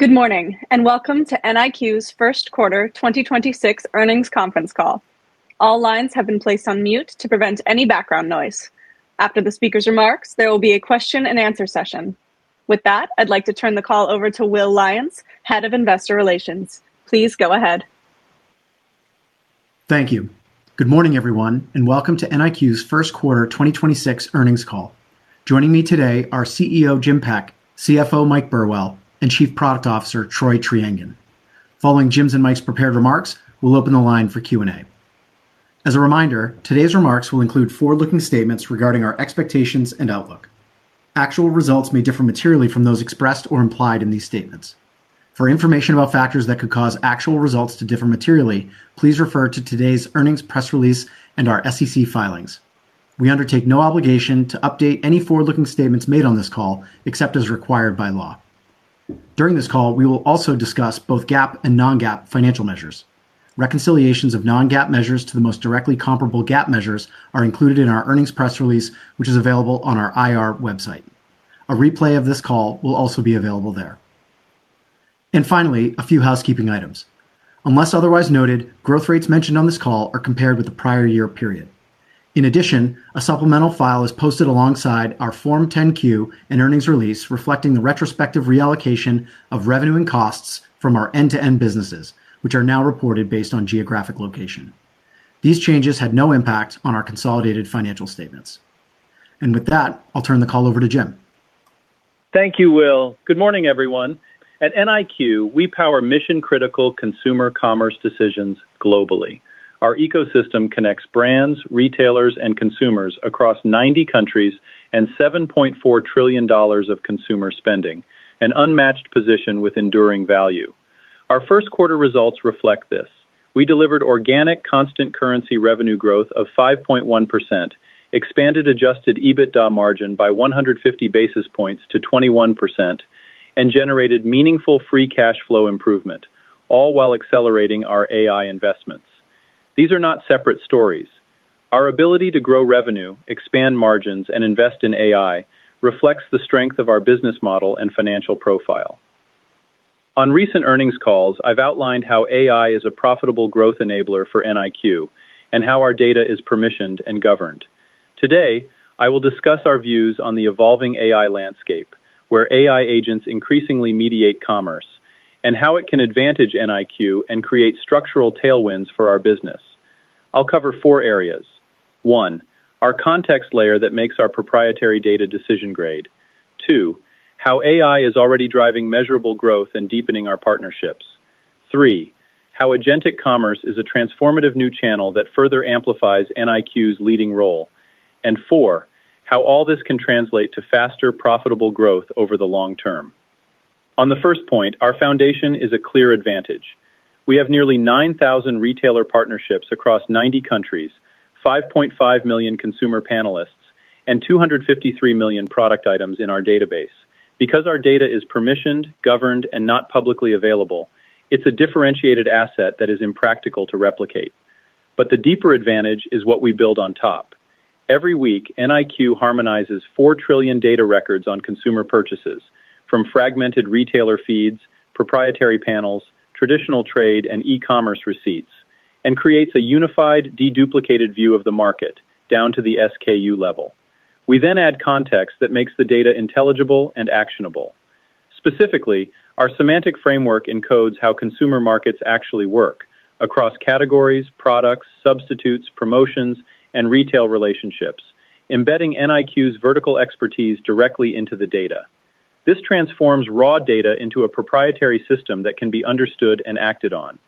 Good morning, welcome to NIQ's first quarter 2026 earnings conference call. All lines have been placed on mute to prevent any background noise. After the speaker's remarks, there will be a question and answer session. With that, I'd like to turn the call over to Will Lyons, Head of Investor Relations. Please go ahead. Thank you. Good morning, everyone, and welcome to NIQ's first quarter 2026 earnings call. Joining me today are CEO Jim Peck, CFO Mike Burwell, and Chief Product Officer Troy Treangen. Following Jim's and Mike's prepared remarks, we'll open the line for Q&A. As a reminder, today's remarks will include forward-looking statements regarding our expectations and outlook. Actual results may differ materially from those expressed or implied in these statements. For information about factors that could cause actual results to differ materially, please refer to today's earnings press release and our SEC filings. We undertake no obligation to update any forward-looking statements made on this call except as required by law. During this call, we will also discuss both GAAP and non-GAAP financial measures. Reconciliations of non-GAAP measures to the most directly comparable GAAP measures are included in our earnings press release, which is available on our IR website. A replay of this call will also be available there. Finally, a few housekeeping items. Unless otherwise noted, growth rates mentioned on this call are compared with the prior year period. In addition, a supplemental file is posted alongside our Form 10-Q and earnings release reflecting the retrospective reallocation of revenue and costs from our end-to-end businesses, which are now reported based on geographic location. These changes had no impact on our consolidated financial statements. With that, I'll turn the call over to Jim. Thank you, Will. Good morning, everyone. At NIQ, we power mission-critical consumer commerce decisions globally. Our ecosystem connects brands, retailers, and consumers across 90 countries and $7.4 trillion of consumer spending, an unmatched position with enduring value. Our first quarter results reflect this. We delivered organic constant currency revenue growth of 5.1%, expanded adjusted EBITDA margin by 150 basis points to 21%, and generated meaningful free cash flow improvement, all while accelerating our AI investments. These are not separate stories. Our ability to grow revenue, expand margins, and invest in AI reflects the strength of our business model and financial profile. On recent earnings calls, I've outlined how AI is a profitable growth enabler for NIQ and how our data is permissioned and governed. Today, I will discuss our views on the evolving AI landscape, where AI agents increasingly mediate commerce, and how it can advantage NIQ and create structural tailwinds for our business. I'll cover four areas. One, our context layer that makes our proprietary data decision-grade. Two, how AI is already driving measurable growth and deepening our partnerships. Three, how agentic commerce is a transformative new channel that further amplifies NIQ's leading role. Four, how all this can translate to faster profitable growth over the long term. On the first point, our foundation is a clear advantage. We have nearly 9,000 retailer partnerships across 90 countries, 5.5 million consumer panelists, and 253 million product items in our database. Because our data is permissioned, governed, and not publicly available, it's a differentiated asset that is impractical to replicate. The deeper advantage is what we build on top. Every week, NIQ harmonizes 4 trillion data records on consumer purchases from fragmented retailer feeds, proprietary panels, traditional trade, and e-commerce receipts, and creates a unified deduplicated view of the market down to the SKU level. We add context that makes the data intelligible and actionable. Specifically, our semantic framework encodes how consumer markets actually work across categories, products, substitutes, promotions, and retail relationships, embedding NIQ's vertical expertise directly into the data. This transforms raw data into a proprietary system that can be understood and acted on.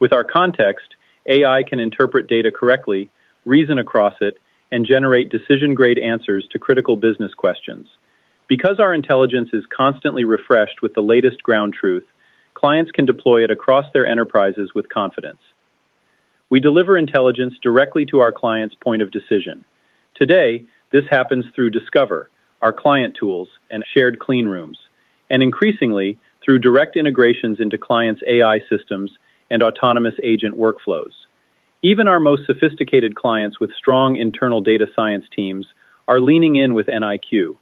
With our context, AI can interpret data correctly, reason across it, and generate decision-grade answers to critical business questions. Because our intelligence is constantly refreshed with the latest ground truth, clients can deploy it across their enterprises with confidence. We deliver intelligence directly to our clients' point of decision. Today, this happens through Discover, our client tools, and shared clean rooms, and increasingly through direct integrations into clients' AI systems and autonomous agent workflows. Even our most sophisticated clients with strong internal data science teams are leaning in with NIQ.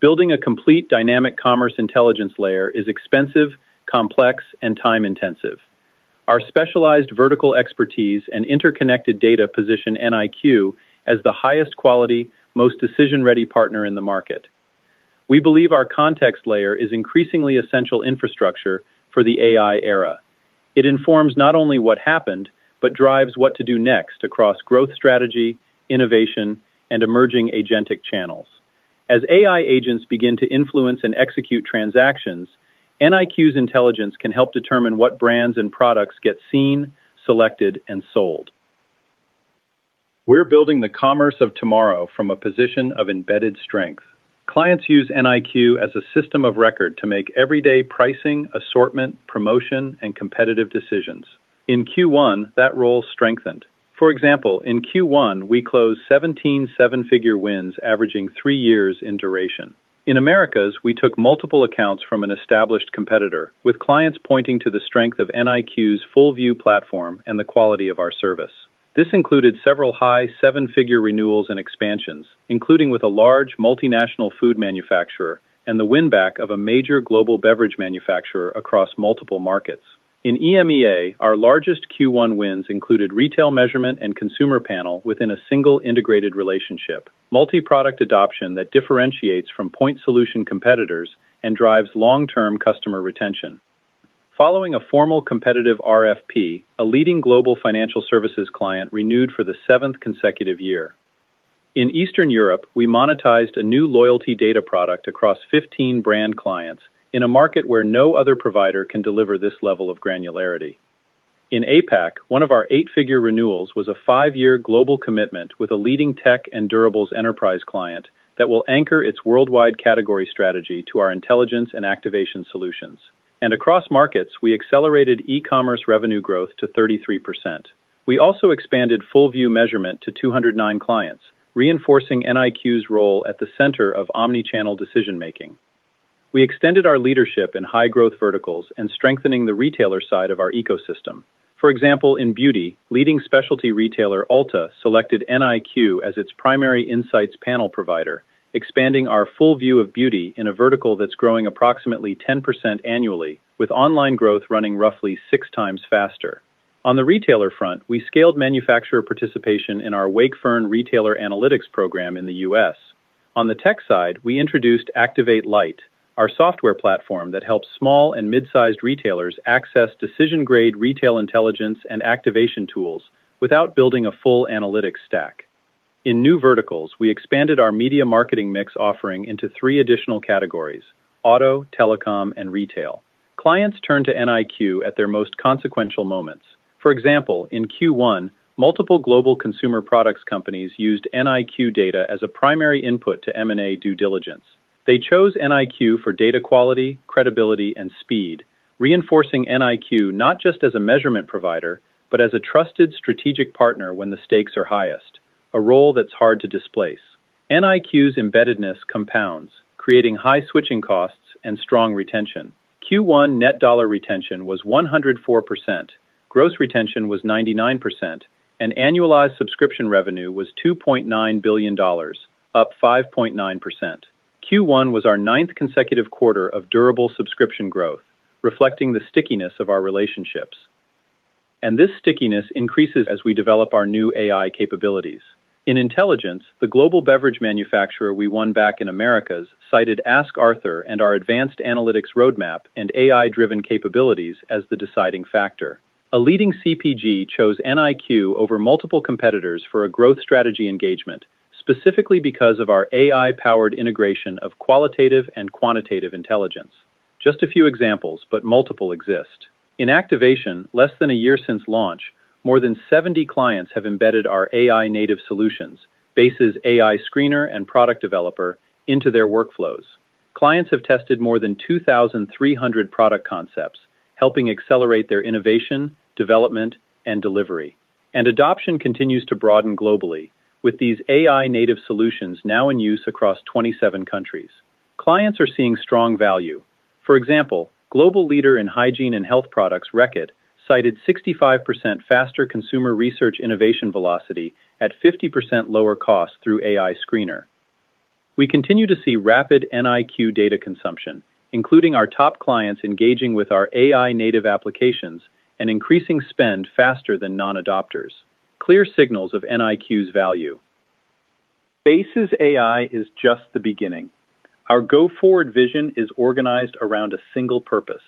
Building a complete dynamic commerce intelligence layer is expensive, complex, and time-intensive. Our specialized vertical expertise and interconnected data position NIQ as the highest quality, most decision-ready partner in the market. We believe our context layer is increasingly essential infrastructure for the AI era. It informs not only what happened, but drives what to do next across growth strategy, innovation, and emerging agentic channels. As AI agents begin to influence and execute transactions, NIQ's intelligence can help determine what brands and products get seen, selected, and sold. We're building the commerce of tomorrow from a position of embedded strength. Clients use NIQ as a system of record to make everyday pricing, assortment, promotion, and competitive decisions. In Q1, that role strengthened. For example, in Q1, we closed 17 seven-figure wins averaging three years in duration. In Americas, we took multiple accounts from an established competitor, with clients pointing to the strength of NIQ's Full View platform and the quality of our service. This included several high seven-figure renewals and expansions, including with a large multinational food manufacturer and the win-back of a major global beverage manufacturer across multiple markets. In EMEA, our largest Q1 wins included retail measurement and consumer panel within a single integrated relationship. Multi-product adoption that differentiates from point solution competitors and drives long-term customer retention. Following a formal competitive RFP, a leading global financial services client renewed for the 7th consecutive year. In Eastern Europe, we monetized a new loyalty data product across 15 brand clients in a market where no other provider can deliver this level of granularity. In APAC, one of our eight-figure renewals was a five-year global commitment with a leading tech and durables enterprise client that will anchor its worldwide category strategy to our intelligence and activation solutions. Across markets, we accelerated e-commerce revenue growth to 33%. We also expanded Full View measurement to 209 clients, reinforcing NIQ's role at the center of omni-channel decision-making. We extended our leadership in high-growth verticals and strengthening the retailer side of our ecosystem. For example, in beauty, leading specialty retailer Ulta selected NIQ as its primary insights panel provider, expanding our Full View of beauty in a vertical that's growing approximately 10% annually, with online growth running roughly 6x faster. On the retailer front, we scaled manufacturer participation in our Wakefern Retailer Analytics program in the U.S. On the tech side, we introduced Activate Lite, our software platform that helps small and mid-sized retailers access decision-grade retail intelligence and activation tools without building a full analytics stack. In new verticals, we expanded our media marketing mix offering into three additional categories: auto, telecom, and retail. Clients turn to NIQ at their most consequential moments. For example, in Q1, multiple global consumer products companies used NIQ data as a primary input to M&A due diligence. They chose NIQ for data quality, credibility, and speed, reinforcing NIQ not just as a measurement provider, but as a trusted strategic partner when the stakes are highest, a role that's hard to displace. NIQ's embeddedness compounds, creating high switching costs and strong retention. Q1 net dollar retention was 104%, gross retention was 99%, and annualized subscription revenue was $2.9 billion, up 5.9%. Q1 was our ninth consecutive quarter of durable subscription growth, reflecting the stickiness of our relationships. This stickiness increases as we develop our new AI capabilities. In intelligence, the global beverage manufacturer we won back in Americas cited Ask Arthur and our advanced analytics roadmap and AI-driven capabilities as the deciding factor. A leading CPG chose NIQ over multiple competitors for a growth strategy engagement, specifically because of our AI-powered integration of qualitative and quantitative intelligence. Just a few examples, but multiple exist. In activation, less than a year since launch, more than 70 clients have embedded our AI native solutions, BASES AI Screener and Product Developer, into their workflows. Clients have tested more than 2,300 product concepts, helping accelerate their innovation, development, and delivery. Adoption continues to broaden globally with these AI native solutions now in use across 27 countries. Clients are seeing strong value. For example, global leader in hygiene and health products, Reckitt, cited 65% faster consumer research innovation velocity at 50% lower cost through AI Screener. We continue to see rapid NIQ data consumption, including our top clients engaging with our AI native applications and increasing spend faster than non-adopters. Clear signals of NIQ's value. BASES AI is just the beginning. Our go-forward vision is organized around a single purpose: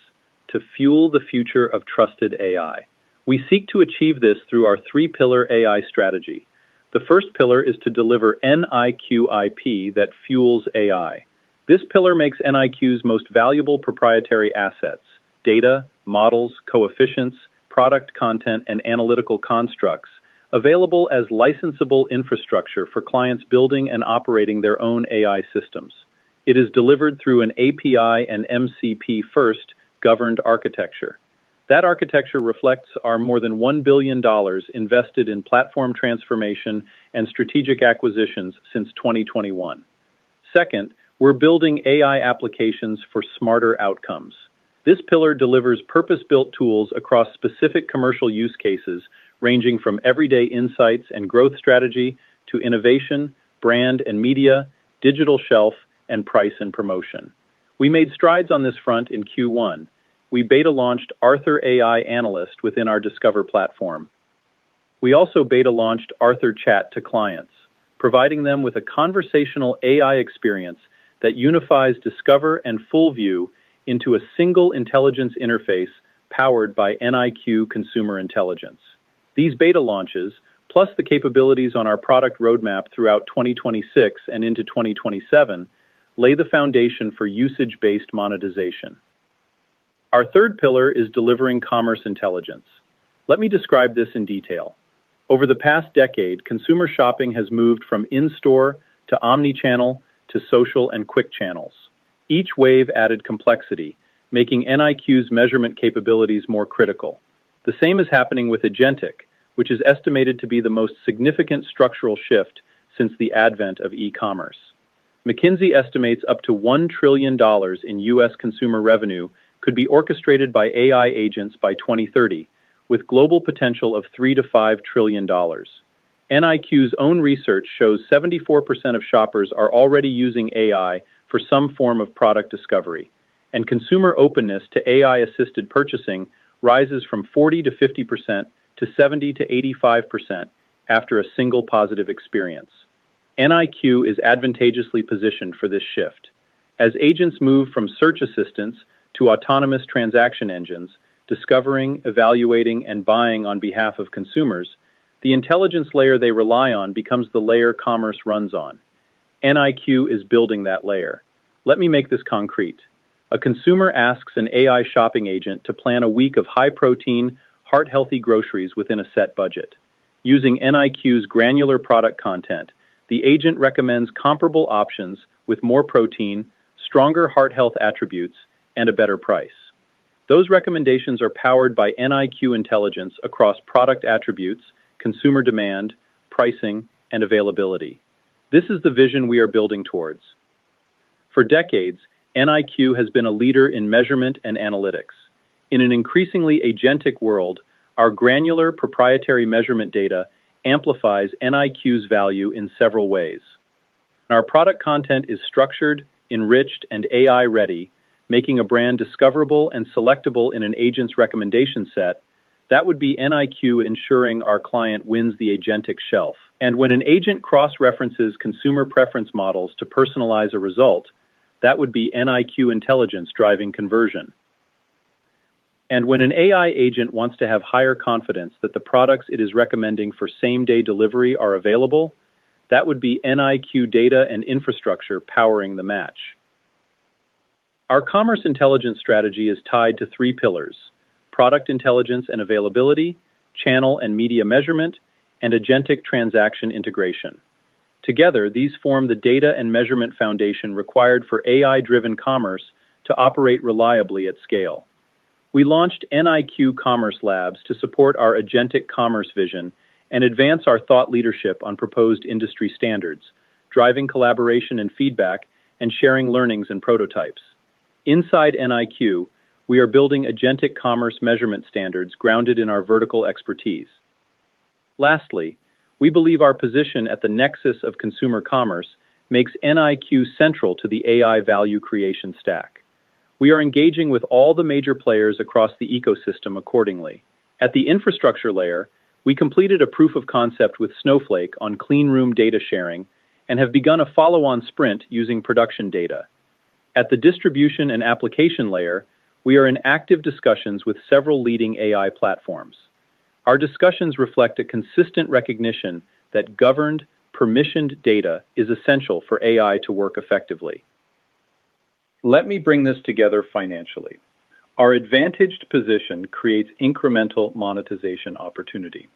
to fuel the future of trusted AI. We seek to achieve this through our three-pillar AI strategy. The first pillar is to deliver NIQ IP that fuels AI. This pillar makes NIQ's most valuable proprietary assets, data, models, coefficients, product content, and analytical constructs available as licensable infrastructure for clients building and operating their own AI systems. It is delivered through an API and MCP first governed architecture. That architecture reflects our more than $1 billion invested in platform transformation and strategic acquisitions since 2021. Second, we're building AI applications for smarter outcomes. This pillar delivers purpose-built tools across specific commercial use cases ranging from everyday insights and growth strategy to innovation, brand and media, digital shelf, and price and promotion. We made strides on this front in Q1. We beta launched Arthur AI Analyst within our Discover platform. We also beta launched Arthur Chat to clients, providing them with a conversational AI experience that unifies Discover and Full View into a single intelligence interface powered by NIQ Consumer Intelligence. These beta launches, plus the capabilities on our product roadmap throughout 2026 and into 2027, lay the foundation for usage-based monetization. Our third pillar is delivering commerce intelligence. Let me describe this in detail. Over the past decade, consumer shopping has moved from in-store to omnichannel to social and quick channels. Each wave added complexity, making NIQ's measurement capabilities more critical. The same is happening with agentic, which is estimated to be the most significant structural shift since the advent of e-commerce. McKinsey estimates up to $1 trillion in U.S. consumer revenue could be orchestrated by AI agents by 2030, with global potential of $3 trillion-$5 trillion. NIQ's own research shows 74% of shoppers are already using AI for some form of product discovery, and consumer openness to AI-assisted purchasing rises from 40%-50% to 70%-85% after a single positive experience. NIQ is advantageously positioned for this shift. As agents move from search assistance to autonomous transaction engines, discovering, evaluating, and buying on behalf of consumers, the intelligence layer they rely on becomes the layer commerce runs on. NIQ is building that layer. Let me make this concrete. A consumer asks an AI shopping agent to plan a week of high-protein, heart-healthy groceries within a set budget. Using NIQ's granular product content, the agent recommends comparable options with more protein, stronger heart health attributes, and a better price. Those recommendations are powered by NIQ intelligence across product attributes, consumer demand, pricing, and availability. This is the vision we are building towards. For decades, NIQ has been a leader in measurement and analytics. In an increasingly agentic world, our granular proprietary measurement data amplifies NIQ's value in several ways. Our product content is structured, enriched, and AI-ready, making a brand discoverable and selectable in an agent's recommendation set that would be NIQ ensuring our client wins the agentic shelf. When an agent cross-references consumer preference models to personalize a result, that would be NIQ intelligence driving conversion. When an AI agent wants to have higher confidence that the products it is recommending for same-day delivery are available, that would be NIQ data and infrastructure powering the match. Our commerce intelligence strategy is tied to three pillars: product intelligence and availability, channel and media measurement, and agentic transaction integration. Together, these form the data and measurement foundation required for AI-driven commerce to operate reliably at scale. We launched NIQ Commerce Lab to support our agentic commerce vision and advance our thought leadership on proposed industry standards, driving collaboration and feedback, and sharing learnings and prototypes. Inside NIQ, we are building agentic commerce measurement standards grounded in our vertical expertise. Lastly, we believe our position at the nexus of consumer commerce makes NIQ central to the AI value creation stack. We are engaging with all the major players across the ecosystem accordingly. At the infrastructure layer, we completed a proof of concept with Snowflake on clean room data sharing and have begun a follow-on sprint using production data. At the distribution and application layer, we are in active discussions with several leading AI platforms. Our discussions reflect a consistent recognition that governed, permissioned data is essential for AI to work effectively. Let me bring this together financially. Our advantaged position creates incremental monetization opportunity.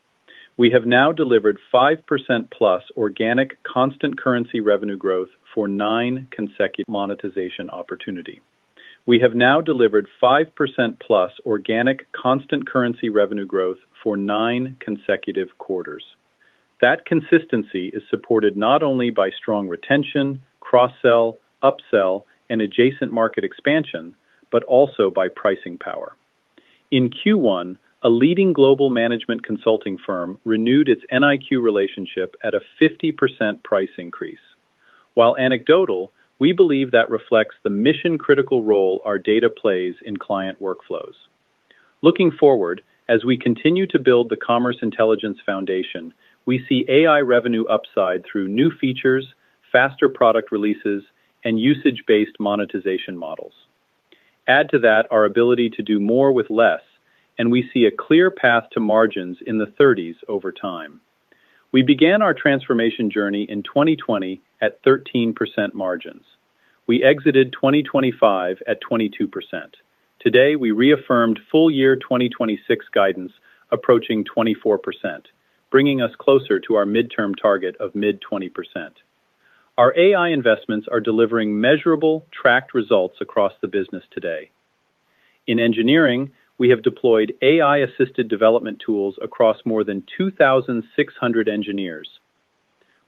We have now delivered 5% plus organic constant currency revenue growth for nine consecutive quarters. That consistency is supported not only by strong retention, cross-sell, upsell, and adjacent market expansion, but also by pricing power. In Q1, a leading global management consulting firm renewed its NIQ relationship at a 50% price increase. While anecdotal, we believe that reflects the mission-critical role our data plays in client workflows. Looking forward, as we continue to build the Commerce Intelligence Foundation, we see AI revenue upside through new features, faster product releases, and usage-based monetization models. Add to that our ability to do more with less, we see a clear path to margins in the thirties over time. We began our transformation journey in 2020 at 13% margins. We exited 2025 at 22%. Today, we reaffirmed full year 2026 guidance approaching 24%, bringing us closer to our midterm target of mid-20%. Our AI investments are delivering measurable tracked results across the business today. In engineering, we have deployed AI-assisted development tools across more than 2,600 engineers.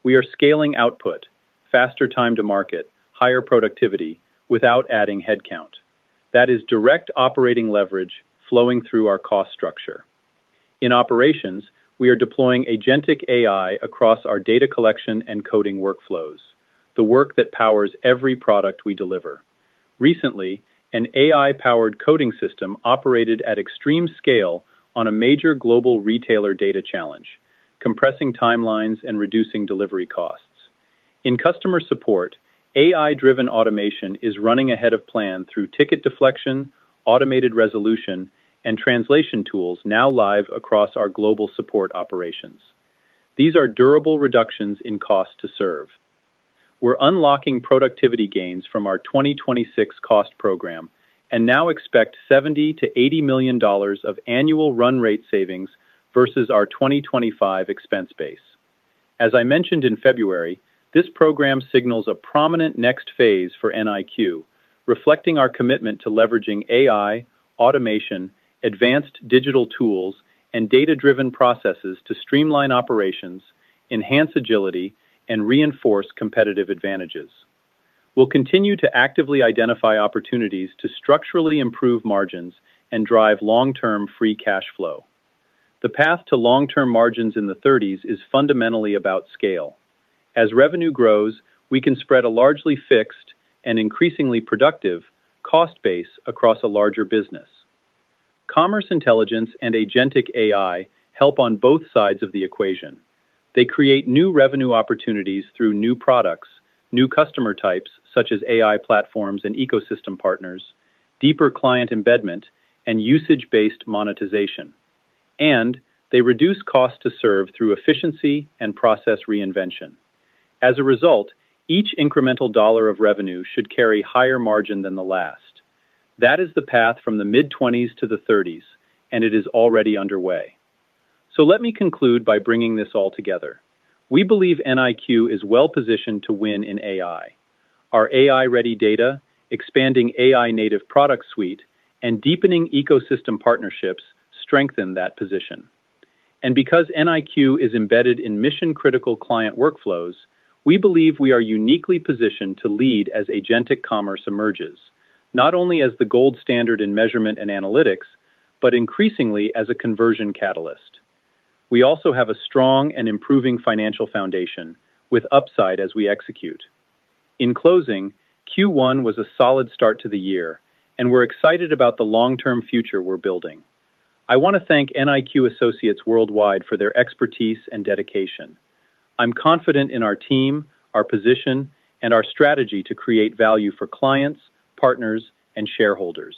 We are scaling output, faster time to market, higher productivity without adding headcount. That is direct operating leverage flowing through our cost structure. In operations, we are deploying agentic AI across our data collection and coding workflows, the work that powers every product we deliver. Recently, an AI-powered coding system operated at extreme scale on a major global retailer data challenge, compressing timelines and reducing delivery costs. In customer support, AI-driven automation is running ahead of plan through ticket deflection, automated resolution, and translation tools now live across our global support operations. These are durable reductions in cost to serve. We're unlocking productivity gains from our 2026 cost program and now expect $70 million-$80 million of annual run rate savings versus our 2025 expense base. As I mentioned in February, this program signals a prominent next phase for NIQ. Reflecting our commitment to leveraging AI, automation, advanced digital tools, and data-driven processes to streamline operations, enhance agility, and reinforce competitive advantages. We'll continue to actively identify opportunities to structurally improve margins and drive long-term free cash flow. The path to long-term margins in the 30s is fundamentally about scale. As revenue grows, we can spread a largely fixed and increasingly productive cost base across a larger business. Commerce intelligence and agentic AI help on both sides of the equation. They create new revenue opportunities through new products, new customer types, such as AI platforms and ecosystem partners, deeper client embedment, and usage-based monetization. They reduce cost to serve through efficiency and process reinvention. As a result, each incremental dollar of revenue should carry higher margin than the last. That is the path from the mid-twenties to the thirties, and it is already underway. Let me conclude by bringing this all together. We believe NIQ is well-positioned to win in AI. Our AI-ready data, expanding AI native product suite, and deepening ecosystem partnerships strengthen that position. Because NIQ is embedded in mission-critical client workflows, we believe we are uniquely positioned to lead as agentic commerce emerges, not only as the gold standard in measurement and analytics, but increasingly as a conversion catalyst. We also have a strong and improving financial foundation with upside as we execute. In closing, Q1 was a solid start to the year, and we're excited about the long-term future we're building. I wanna thank NIQ associates worldwide for their expertise and dedication. I'm confident in our team, our position, and our strategy to create value for clients, partners, and shareholders.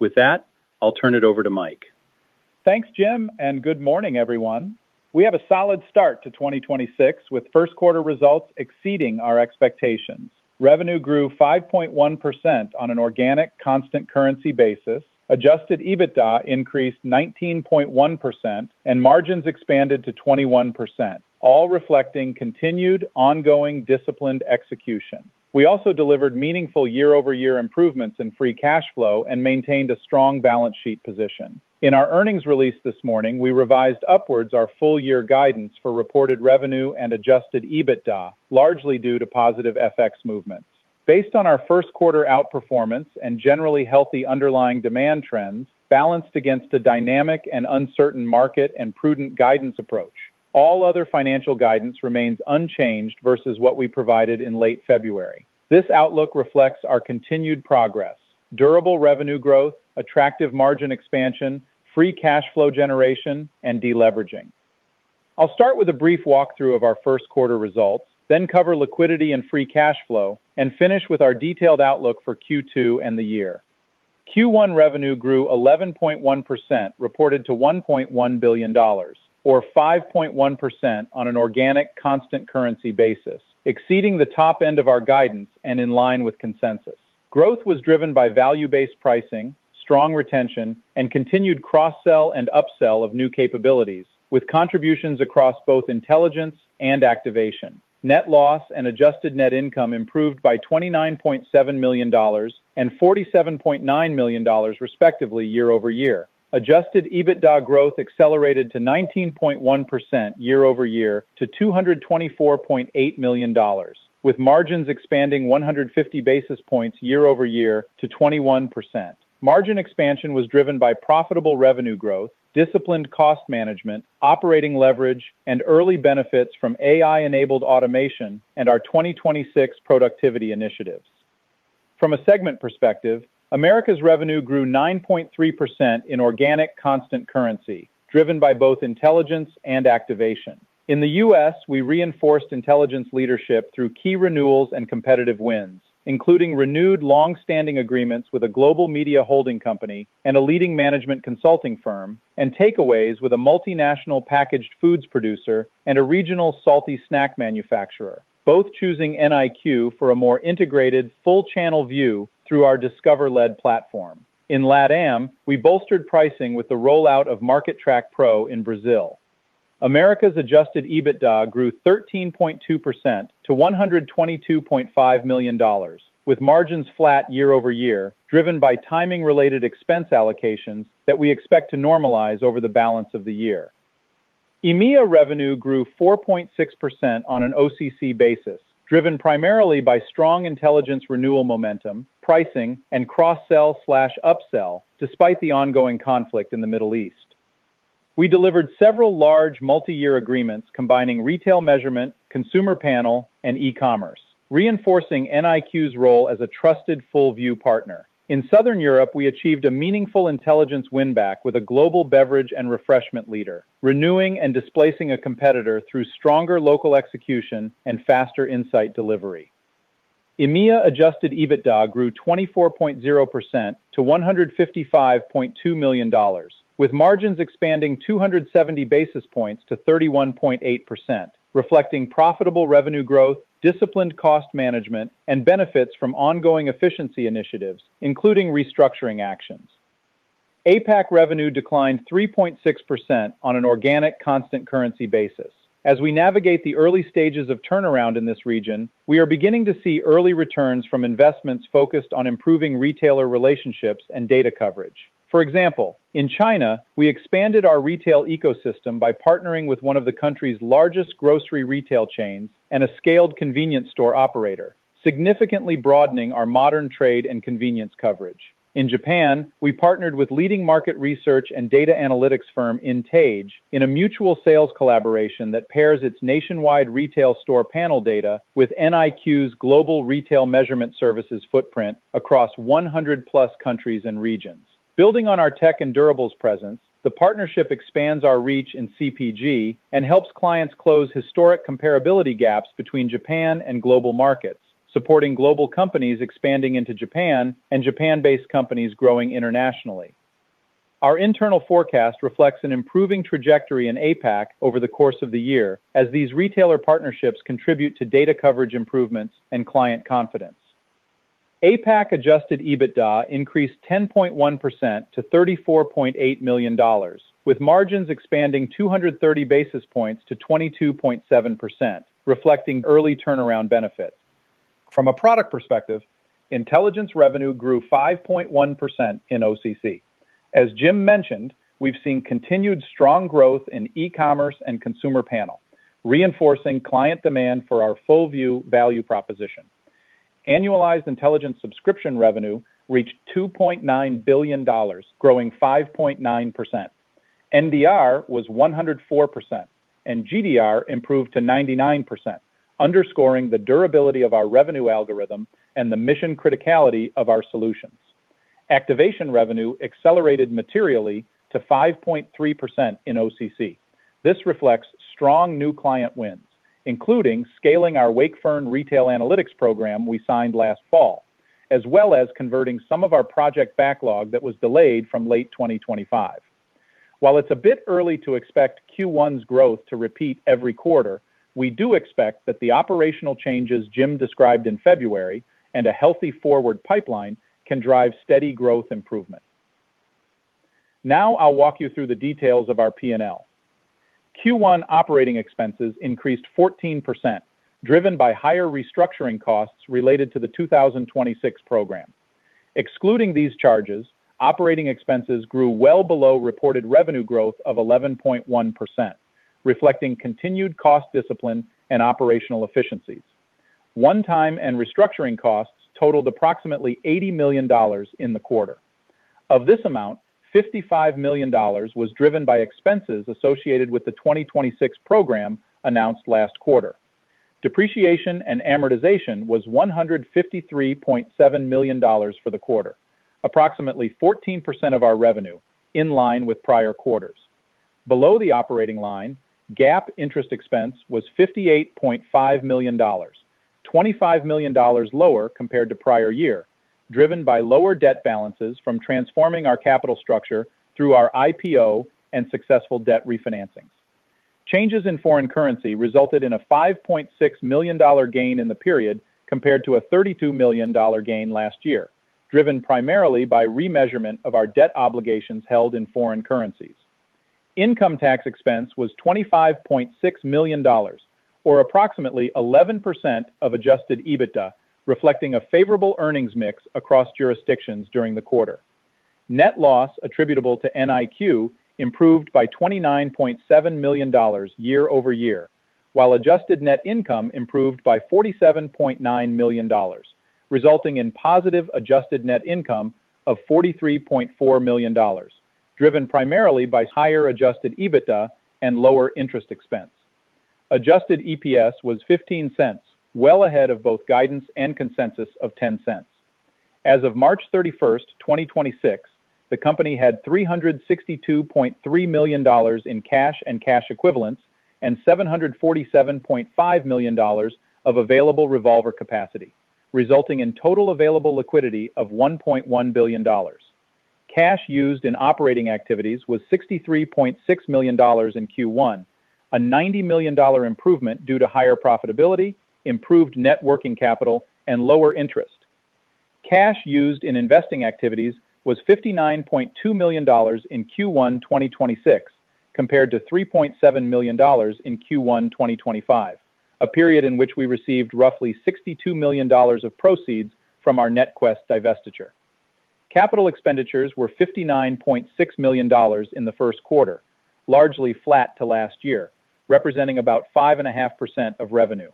With that, I'll turn it over to Mike. Thanks, Jim. Good morning, everyone. We have a solid start to 2026, with first quarter results exceeding our expectations. Revenue grew 5.1% on an organic constant currency basis. Adjusted EBITDA increased 19.1%, and margins expanded to 21%, all reflecting continued ongoing disciplined execution. We also delivered meaningful year-over-year improvements in free cash flow and maintained a strong balance sheet position. In our earnings release this morning, we revised upwards our full year guidance for reported revenue and adjusted EBITDA, largely due to positive FX movements. Based on our first quarter outperformance and generally healthy underlying demand trends, balanced against a dynamic and uncertain market and prudent guidance approach, all other financial guidance remains unchanged versus what we provided in late February. This outlook reflects our continued progress, durable revenue growth, attractive margin expansion, free cash flow generation, and deleveraging. I'll start with a brief walkthrough of our first quarter results, then cover liquidity and free cash flow, and finish with our detailed outlook for Q2 and the year. Q1 revenue grew 11.1%, reported to $1.1 billion or 5.1% on an organic constant currency basis, exceeding the top end of our guidance and in line with consensus. Growth was driven by value-based pricing, strong retention, and continued cross-sell and upsell of new capabilities, with contributions across both intelligence and activation. Net loss and adjusted net income improved by $29.7 million and $47.9 million respectively year-over-year. Adjusted EBITDA growth accelerated to 19.1% year-over-year to $224.8 million, with margins expanding 150 basis points year-over-year to 21%. Margin expansion was driven by profitable revenue growth, disciplined cost management, operating leverage, and early benefits from AI-enabled automation and our 2026 productivity initiatives. From a segment perspective, Americas revenue grew 9.3% in organic constant currency, driven by both Intelligence and Activation. In the U.S., we reinforced intelligence leadership through key renewals and competitive wins, including renewed long-standing agreements with a global media holding company and a leading management consulting firm, and takeaways with a multinational packaged foods producer and a regional salty snack manufacturer, both choosing NIQ for a more integrated full channel view through our Discover platform. In LATAM, we bolstered pricing with the rollout of MarketTrack Pro in Brazil. Americas adjusted EBITDA grew 13.2% to $122.5 million, with margins flat year-over-year, driven by timing-related expense allocations that we expect to normalize over the balance of the year. EMEA revenue grew 4.6% on an OCC basis, driven primarily by strong intelligence renewal momentum, pricing, and cross-sell/upsell despite the ongoing conflict in the Middle East. We delivered several large multi-year agreements combining retail measurement, consumer panel, and e-commerce, reinforcing NIQ's role as a trusted Full View partner. In Southern Europe, we achieved a meaningful intelligence win-back with a global beverage and refreshment leader, renewing and displacing a competitor through stronger local execution and faster insight delivery. EMEA adjusted EBITDA grew 24.0% to $155.2 million, with margins expanding 270 basis points to 31.8%, reflecting profitable revenue growth, disciplined cost management, and benefits from ongoing efficiency initiatives, including restructuring actions. APAC revenue declined 3.6% on an organic constant currency basis. As we navigate the early stages of turnaround in this region, we are beginning to see early returns from investments focused on improving retailer relationships and data coverage. For example, in China, we expanded our retail ecosystem by partnering with one of the country's largest grocery retail chains and a scaled convenience store operator, significantly broadening our modern trade and convenience coverage. In Japan, we partnered with leading market research and data analytics firm, INTAGE, in a mutual sales collaboration that pairs its nationwide retail store panel data with NIQ's global retail measurement services footprint across 100+ countries and regions. Building on our tech and durables presence, the partnership expands our reach in CPG and helps clients close historic comparability gaps between Japan and global markets, supporting global companies expanding into Japan and Japan-based companies growing internationally. Our internal forecast reflects an improving trajectory in APAC over the course of the year as these retailer partnerships contribute to data coverage improvements and client confidence. APAC adjusted EBITDA increased 10.1% to $34.8 million, with margins expanding 230 basis points to 22.7%, reflecting early turnaround benefits. From a product perspective, intelligence revenue grew 5.1% in OCC. As Jim mentioned, we've seen continued strong growth in e-commerce and consumer panel, reinforcing client demand for our Full View value proposition. Annualized intelligence subscription revenue reached $2.9 billion, growing 5.9%. NDR was 104%, and GDR improved to 99%, underscoring the durability of our revenue algorithm and the mission criticality of our solutions. Activation revenue accelerated materially to 5.3% in OCC. This reflects strong new client wins, including scaling our Wakefern Retailer Analytics program we signed last fall, as well as converting some of our project backlog that was delayed from late 2025. While it's a bit early to expect Q1's growth to repeat every quarter, we do expect that the operational changes Jim described in February and a healthy forward pipeline can drive steady growth improvement. I'll walk you through the details of our P&L. Q1 operating expenses increased 14%, driven by higher restructuring costs related to the 2026 program. Excluding these charges, operating expenses grew well below reported revenue growth of 11.1%, reflecting continued cost discipline and operational efficiencies. One-time and restructuring costs totaled approximately $80 million in the quarter. Of this amount, $55 million was driven by expenses associated with the 2026 program announced last quarter. Depreciation and amortization was $153.7 million for the quarter, approximately 14% of our revenue in line with prior quarters. Below the operating line, GAAP interest expense was $58.5 million, $25 million lower compared to prior year, driven by lower debt balances from transforming our capital structure through our IPO and successful debt refinancings. Changes in foreign currency resulted in a $5.6 million gain in the period compared to a $32 million gain last year, driven primarily by remeasurement of our debt obligations held in foreign currencies. Income tax expense was $25.6 million or approximately 11% of adjusted EBITDA, reflecting a favorable earnings mix across jurisdictions during the quarter. Net loss attributable to NIQ improved by $29.7 million year-over-year, while adjusted net income improved by $47.9 million, resulting in positive adjusted net income of $43.4 million driven primarily by higher adjusted EBITDA and lower interest expense. Adjusted EPS was $0.15, well ahead of both guidance and consensus of $0.10. As of March 31st, 2026, the company had $362.3 million in cash and cash equivalents and $747.5 million of available revolver capacity, resulting in total available liquidity of $1.1 billion. Cash used in operating activities was $63.6 million in Q1, a $90 million improvement due to higher profitability, improved net working capital, and lower interest. Cash used in investing activities was $59.2 million in Q1, 2026 compared to $3.7 million in Q1, 2025, a period in which we received roughly $62 million of proceeds from our NetQuest divestiture. Capital expenditures were $59.6 million in the first quarter, largely flat to last year, representing about five and a half percent of revenue.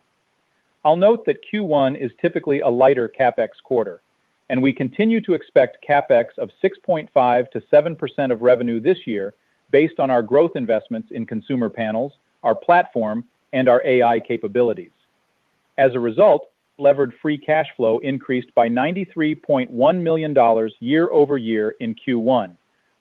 I'll note that Q1 is typically a lighter CapEx quarter, and we continue to expect CapEx of 6.5%-7% of revenue this year based on our growth investments in consumer panels, our platform, and our AI capabilities. As a result, levered free cash flow increased by $93.1 million year-over-year in Q1,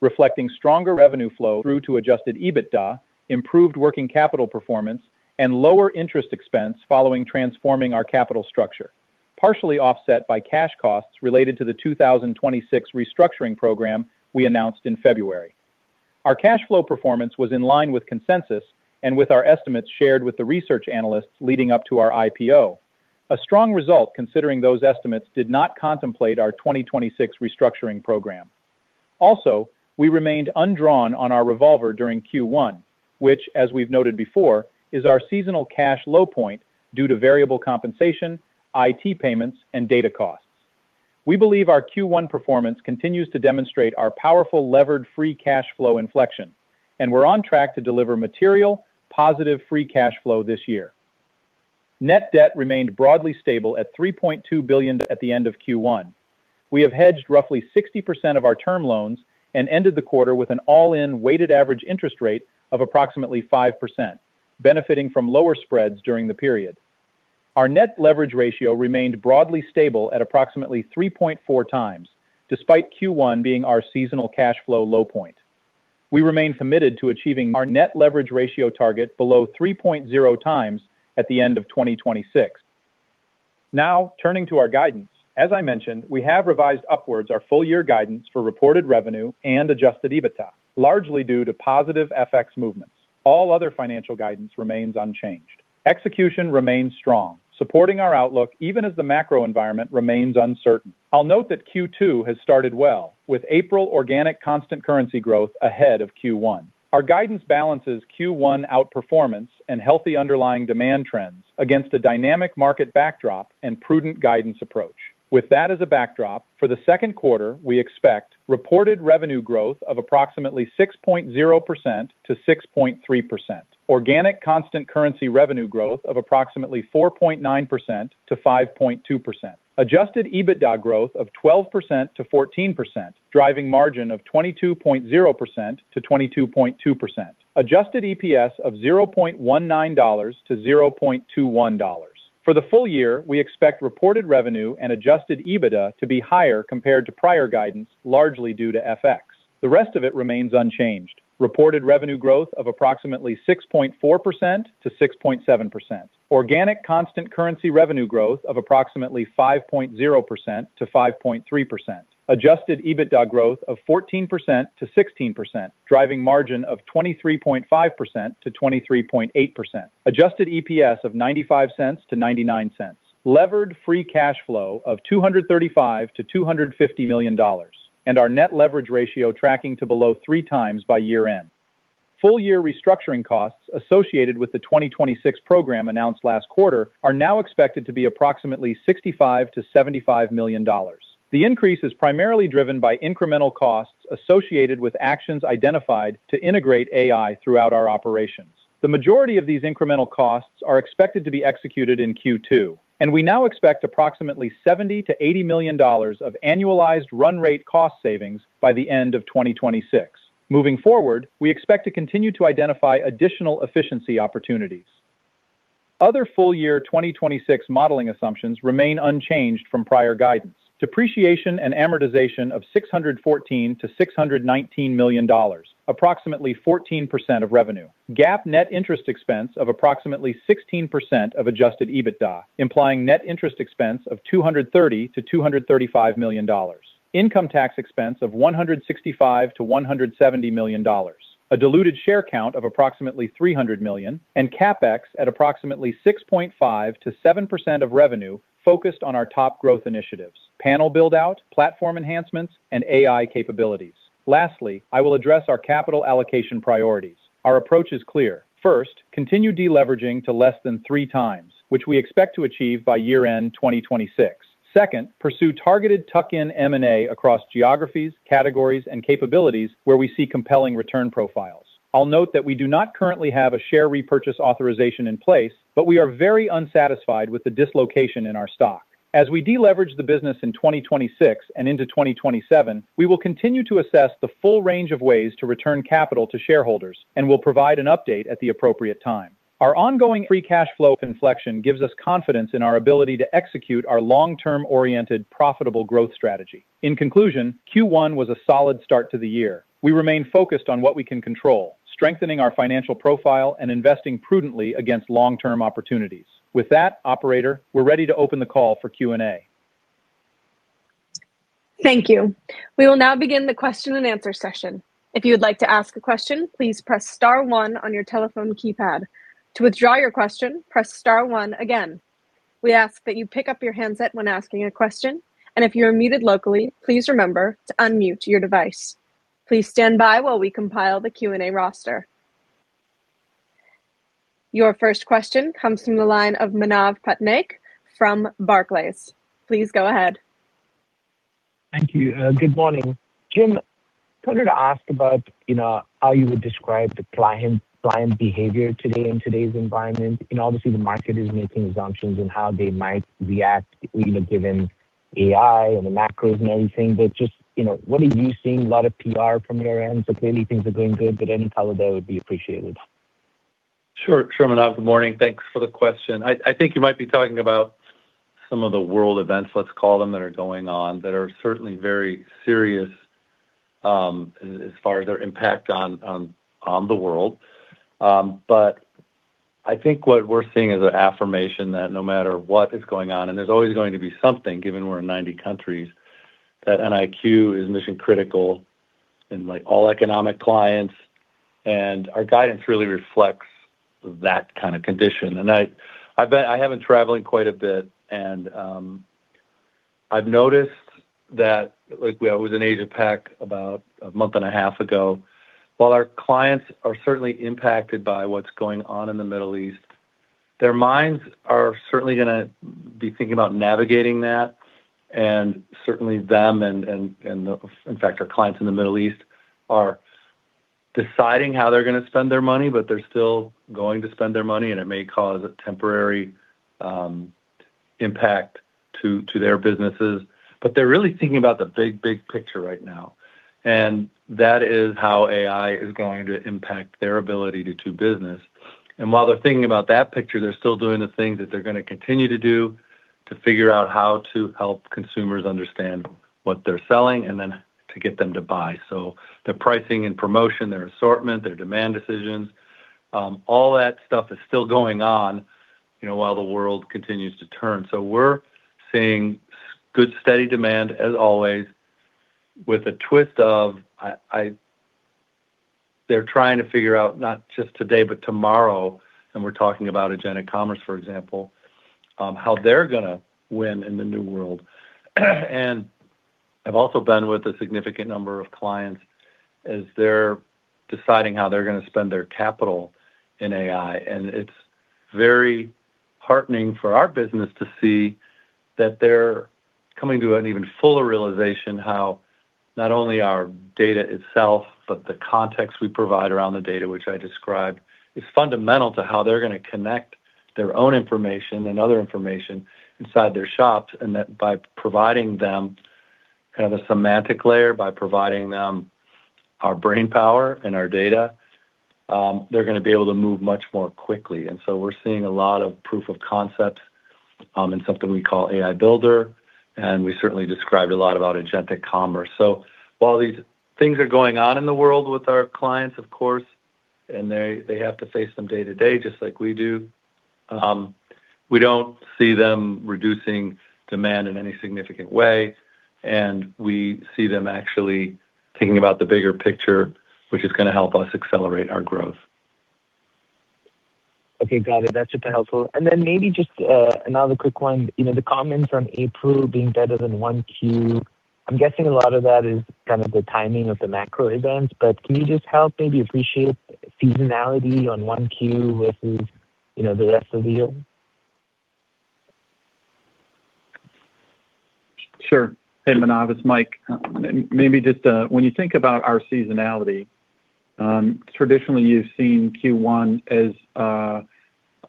reflecting stronger revenue flow through to adjusted EBITDA, improved working capital performance, and lower interest expense following transforming our capital structure, partially offset by cash costs related to the 2026 restructuring program we announced in February. Our cash flow performance was in line with consensus and with our estimates shared with the research analysts leading up to our IPO. A strong result considering those estimates did not contemplate our 2026 restructuring program. We remained undrawn on our revolver during Q1, which as we've noted before, is our seasonal cash low point due to variable compensation, IT payments, and data costs. We believe our Q1 performance continues to demonstrate our powerful levered free cash flow inflection, and we're on track to deliver material positive free cash flow this year. Net debt remained broadly stable at $3.2 billion at the end of Q1. We have hedged roughly 60% of our term loans and ended the quarter with an all-in weighted average interest rate of approximately 5%, benefiting from lower spreads during the period. Our net leverage ratio remained broadly stable at approximately 3.4x despite Q1 being our seasonal cash flow low point. We remain committed to achieving our net leverage ratio target below 3.0x at the end of 2026. Turning to our guidance. As I mentioned, we have revised upwards our full year guidance for reported revenue and adjusted EBITDA, largely due to positive FX movements. All other financial guidance remains unchanged. Execution remains strong, supporting our outlook even as the macro environment remains uncertain. I'll note that Q2 has started well, with April organic constant currency growth ahead of Q1. Our guidance balances Q1 outperformance and healthy underlying demand trends against a dynamic market backdrop and prudent guidance approach. With that as a backdrop, for the second quarter, we expect reported revenue growth of approximately 6.0%-6.3%. Organic constant currency revenue growth of approximately 4.9%-5.2%. Adjusted EBITDA growth of 12%-14%, driving margin of 22.0%-22.2%. Adjusted EPS of $0.19-$0.21. For the full year, we expect reported revenue and adjusted EBITDA to be higher compared to prior guidance, largely due to FX. The rest of it remains unchanged. Reported revenue growth of approximately 6.4%-6.7%. Organic constant currency revenue growth of approximately 5.0%-5.3%. Adjusted EBITDA growth of 14%-16%, driving margin of 23.5%-23.8%. Adjusted EPS of $0.95-$0.99. Levered free cash flow of $235 million-$250 million, and our net leverage ratio tracking to below 3x by year end. Full year restructuring costs associated with the 2026 program announced last quarter are now expected to be approximately $65 million-$75 million. The increase is primarily driven by incremental costs associated with actions identified to integrate AI throughout our operations. The majority of these incremental costs are expected to be executed in Q2, and we now expect approximately $70 million-$80 million of annualized run rate cost savings by the end of 2026. Moving forward, we expect to continue to identify additional efficiency opportunities. Other full year 2026 modeling assumptions remain unchanged from prior guidance. Depreciation and amortization of $614 million-$619 million, approximately 14% of revenue. GAAP net interest expense of approximately 16% of adjusted EBITDA, implying net interest expense of $230 million-$235 million. Income tax expense of $165 million-$170 million. A diluted share count of approximately $300 million, and CapEx at approximately 6.5%-7% of revenue focused on our top growth initiatives: panel build-out, platform enhancements, and AI capabilities. Lastly, I will address our capital allocation priorities. Our approach is clear. First, continue deleveraging to less than 3x, which we expect to achieve by year end 2026. Second, pursue targeted tuck-in M&A across geographies, categories, and capabilities where we see compelling return profiles. I'll note that we do not currently have a share repurchase authorization in place, but we are very unsatisfied with the dislocation in our stock. As we deleverage the business in 2026 and into 2027, we will continue to assess the full range of ways to return capital to shareholders and will provide an update at the appropriate time. Our ongoing free cash flow inflection gives us confidence in our ability to execute our long-term oriented, profitable growth strategy. In conclusion, Q1 was a solid start to the year. We remain focused on what we can control, strengthening our financial profile and investing prudently against long-term opportunities. With that, operator, we're ready to open the call for Q&A. Thank you. We will now begin the question and answer session. If you would like to ask a question, please press star one on your telephone keypad. To withdraw your question, press star one again. We ask that you pick up your handset when asking a question, and if you are muted locally, please remember to unmute your device. Please stand by while we compile the Q&A roster. Your first question comes from the line of Manav Patnaik from Barclays. Please go ahead. Thank you. Good morning. Jim, wanted to ask about, you know, how you would describe the client behavior today in today's environment, and obviously the market is making assumptions in how they might react, you know, given AI and the macros and everything. Just, you know, what are you seeing? A lot of PR from your end, so clearly things are going good, but any color there would be appreciated. Sure. Sure, Manav. Good morning. Thanks for the question. I think you might be talking about some of the world events, let's call them, that are going on that are certainly very serious, as far as their impact on the world. I think what we're seeing is an affirmation that no matter what is going on, and there's always going to be something, given we're in 90 countries, that NIQ is mission-critical in, like, all economic clients, and our guidance really reflects that kind of condition. I have been traveling quite a bit, and I've noticed that, I was in Asia-Pac about a month and a half ago. While our clients are certainly impacted by what's going on in the Middle East, their minds are certainly going to be thinking about navigating that. Certainly them and, in fact, our clients in the Middle East are deciding how they're going to spend their money, but they're still going to spend their money, and it may cause a temporary impact to their businesses. They're really thinking about the big, big picture right now, and that is how AI is going to impact their ability to do business. While they're thinking about that picture, they're still doing the things that they're gonna continue to do to figure out how to help consumers understand what they're selling and then to get them to buy. Their pricing and promotion, their assortment, their demand decisions, all that stuff is still going on, you know, while the world continues to turn. We're seeing good, steady demand as always with a twist of They're trying to figure out not just today, but tomorrow, and we're talking about agentic commerce, for example, how they're gonna win in the new world. I've also been with a significant number of clients as they're deciding how they're gonna spend their capital in AI. It's very heartening for our business to see that they're coming to an even fuller realization how not only our data itself, but the context we provide around the data which I described, is fundamental to how they're gonna connect their own information and other information inside their shops. That by providing them kind of a semantic layer, by providing them our brainpower and our data, they're gonna be able to move much more quickly. We're seeing a lot of proof of concept in something we call AI Builder, and we certainly described a lot about agentic commerce. While these things are going on in the world with our clients, of course, and they have to face them day to day just like we do, we don't see them reducing demand in any significant way, and we see them actually thinking about the bigger picture, which is gonna help us accelerate our growth. Okay. Got it. That's super helpful. Then maybe just another quick one. You know, the comments on April being better than 1Q, I'm guessing a lot of that is kind of the timing of the macro events. Can you just help maybe appreciate seasonality on 1Q versus, you know, the rest of the year? Sure. Hey, Manav. It's Mike. Maybe just when you think about our seasonality, traditionally, you've seen Q1 as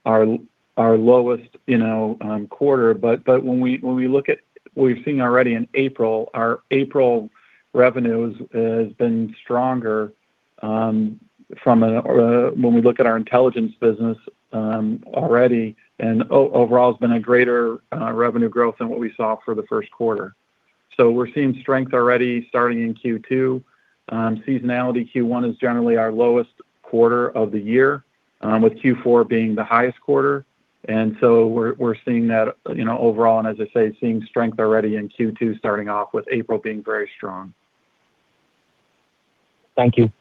our lowest, you know, quarter. When we, when we look at what we've seen already in April, our April revenues has been stronger from when we look at our intelligence business already. Overall has been a greater revenue growth than what we saw for the first quarter. We're seeing strength already starting in Q2. Seasonality, Q1 is generally our lowest quarter of the year with Q4 being the highest quarter. We're, we're seeing that, you know, overall, and as I say, seeing strength already in Q2 starting off with April being very strong. Thank you.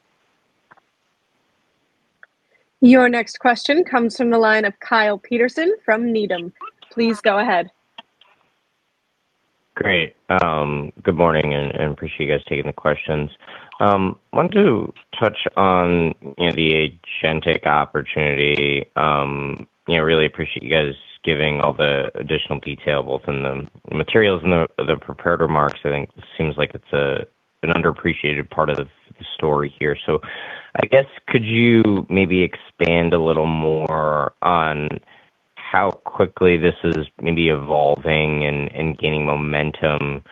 Your next question comes from the line of Kyle Peterson from Needham. Please go ahead. Great. Good morning and appreciate you guys taking the questions. Wanted to touch on, you know, the agentic opportunity. You know, really appreciate you guys giving all the additional detail both in the materials and the prepared remarks. I think it seems like it's an underappreciated part of the story here. I guess, could you maybe expand a little more on how quickly this is maybe evolving and gaining momentum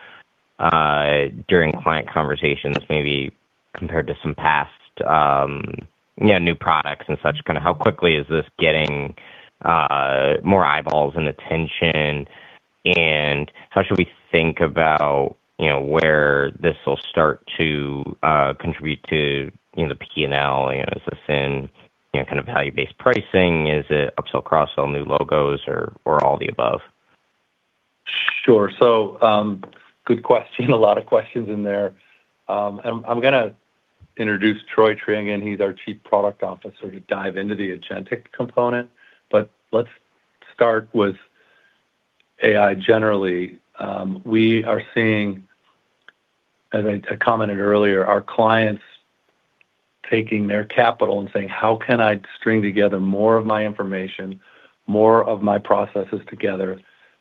during client conversations maybe compared to some past, you know, new products and such? Kinda how quickly is this getting more eyeballs and attention? How should we think about, you know, where this will start to contribute to, you know, the P&L? You know, is this in, you know, kind of value-based pricing? Is it upsell, cross-sell, new logos or all the above? Sure. Good question. A lot of questions in there. I'm gonna introduce Troy Treangen, he's our Chief Product Officer, to dive into the agentic component, let's start with AI generally. We are seeing, as I commented earlier, our clients taking their capital and saying, "How can I string together more of my information, more of my processes together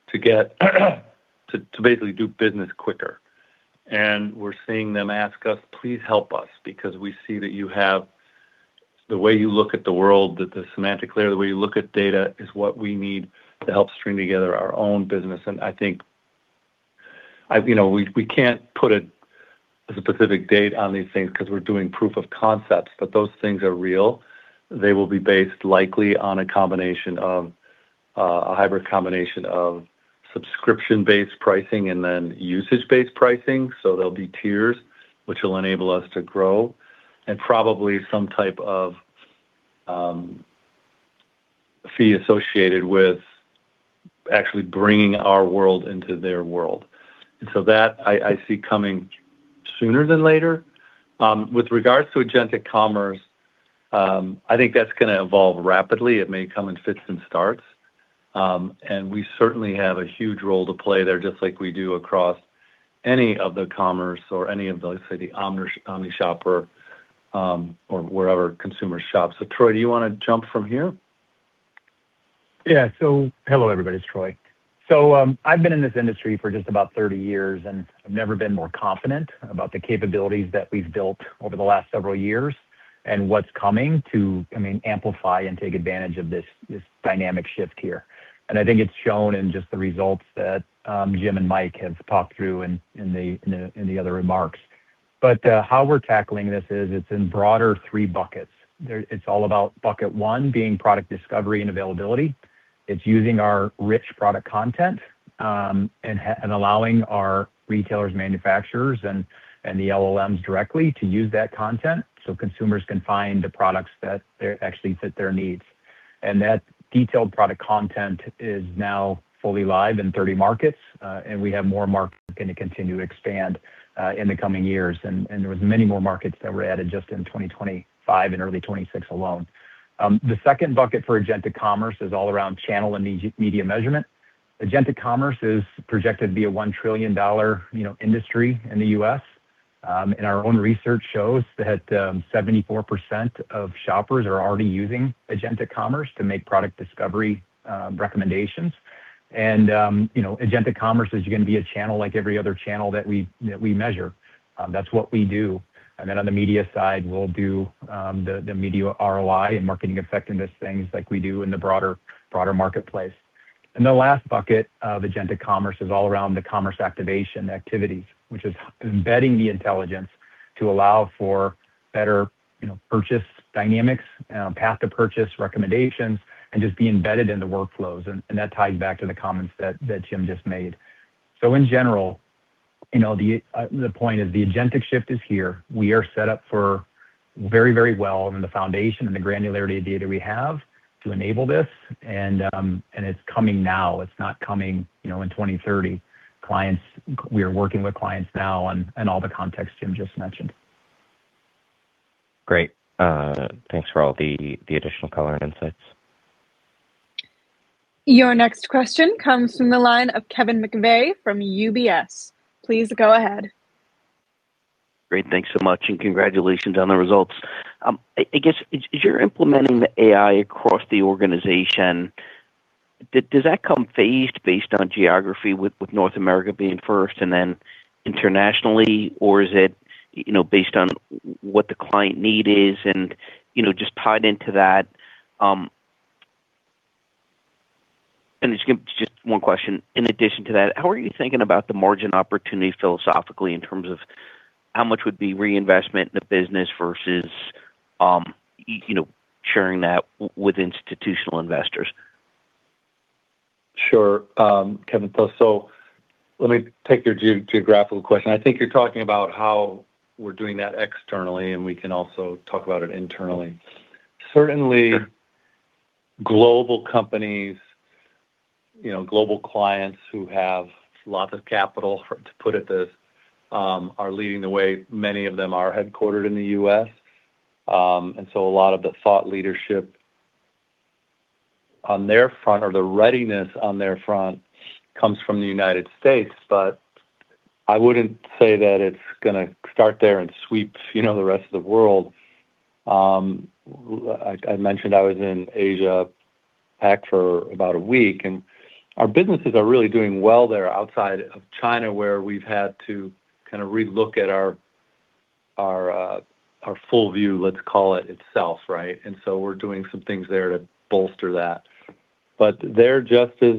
to basically do business quicker?" We're seeing them ask us, "Please help us because we see that you have The way you look at the world, that the semantic layer, the way you look at data is what we need to help string together our own business." I think, you know, we can't put a specific date on these things 'cause we're doing proof of concepts, those things are real. They will be based likely on a combination of a hybrid combination of subscription-based pricing and then usage-based pricing. There'll be tiers which will enable us to grow, and probably some type of fee associated with actually bringing our world into their world. That I see coming sooner than later. With regards to agentic commerce, I think that's gonna evolve rapidly. It may come in fits and starts. We certainly have a huge role to play there just like we do across any of the commerce or any of the, let's say, the OmniShopper, or wherever consumers shop. Troy, do you wanna jump from here? Hello, everybody. It's Troy. I've been in this industry for just about 30 years, and I've never been more confident about the capabilities that we've built over the last several years and what's coming to, I mean, amplify and take advantage of this dynamic shift here. I think it's shown in just the results that Jim and Mike have talked through in the other remarks. How we're tackling this is it's in broader three buckets. It's all about bucket one being product discovery and availability. It's using our rich product content and allowing our retailers, manufacturers and the LLMs directly to use that content so consumers can find the products that actually fit their needs. That detailed product content is now fully live in 30 markets, and we have more markets gonna continue to expand in the coming years. There was many more markets that were added just in 2025 and early 2026 alone. The second bucket for agentic commerce is all around channel and media measurement. Agentic commerce is projected to be a $1 trillion, you know, industry in the U.S. Our own research shows that 74% of shoppers are already using agentic commerce to make product discovery, recommendations. You know, agentic commerce is gonna be a channel like every other channel that we measure. That's what we do. Then on the media side, we'll do the media ROI and marketing effectiveness, things like we do in the broader marketplace. The last bucket of agentic commerce is all around the commerce activation activities, which is embedding the intelligence to allow for better, you know, purchase dynamics, path to purchase recommendations, and just be embedded in the workflows. That ties back to the comments that Jim just made. In general, you know, the point is the agentic shift is here. We are set up for very well in the foundation and the granularity of data we have to enable this. It's coming now. It's not coming, you know, in 2030. We are working with clients now on all the context Jim just mentioned. Great. Thanks for all the additional color and insights. Your next question comes from the line of Kevin McVeigh from UBS. Please go ahead. Great. Thanks so much, congratulations on the results. I guess as you're implementing the AI across the organization, does that come phased based on geography with North America being first and then internationally, or is it, you know, based on what the client need is and, you know, just tied into that? Just one question. In addition to that, how are you thinking about the margin opportunity philosophically in terms of how much would be reinvestment in the business versus, you know, sharing that with institutional investors? Sure. Kevin, let me take your geographical question. I think you're talking about how we're doing that externally, and we can also talk about it internally. Certainly, global companies, you know, global clients who have lots of capital are leading the way. Many of them are headquartered in the U.S. A lot of the thought leadership on their front or the readiness on their front comes from the United States. I wouldn't say that it's gonna start there and sweep, you know, the rest of the world. I mentioned I was in Asia-Pac for about a week, and our businesses are really doing well there outside of China, where we've had to kind of relook at our Full View, let's call it itself, right? We're doing some things there to bolster that. They're just as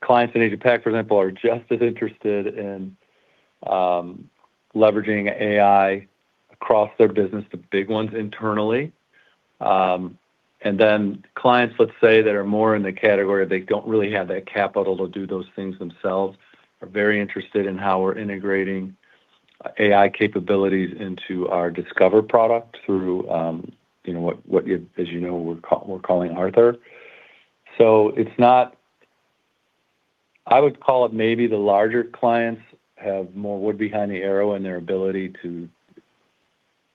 clients in Asia-Pac, for example, are just as interested in leveraging AI across their business, the big ones internally. Clients, let's say, that are more in the category of they don't really have that CapEx to do those things themselves, are very interested in how we're integrating AI capabilities into our Discover product through you know, as you know, we're calling Arthur. It's not I would call it maybe the larger clients have more wood behind the arrow in their ability to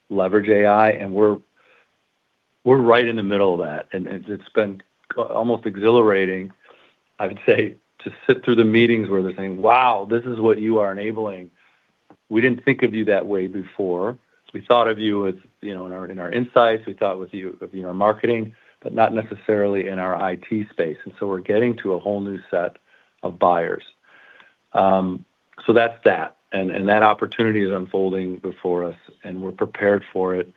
leverage AI, and we're right in the middle of that. It's been almost exhilarating, I would say, to sit through the meetings where they're saying, "Wow. This is what you are enabling. We didn't think of you that way before. We thought of you as, you know, in our, in our insights. We thought with you of, you know, our marketing, but not necessarily in our IT space. We're getting to a whole new set of buyers. That's that. That opportunity is unfolding before us, and we're prepared for it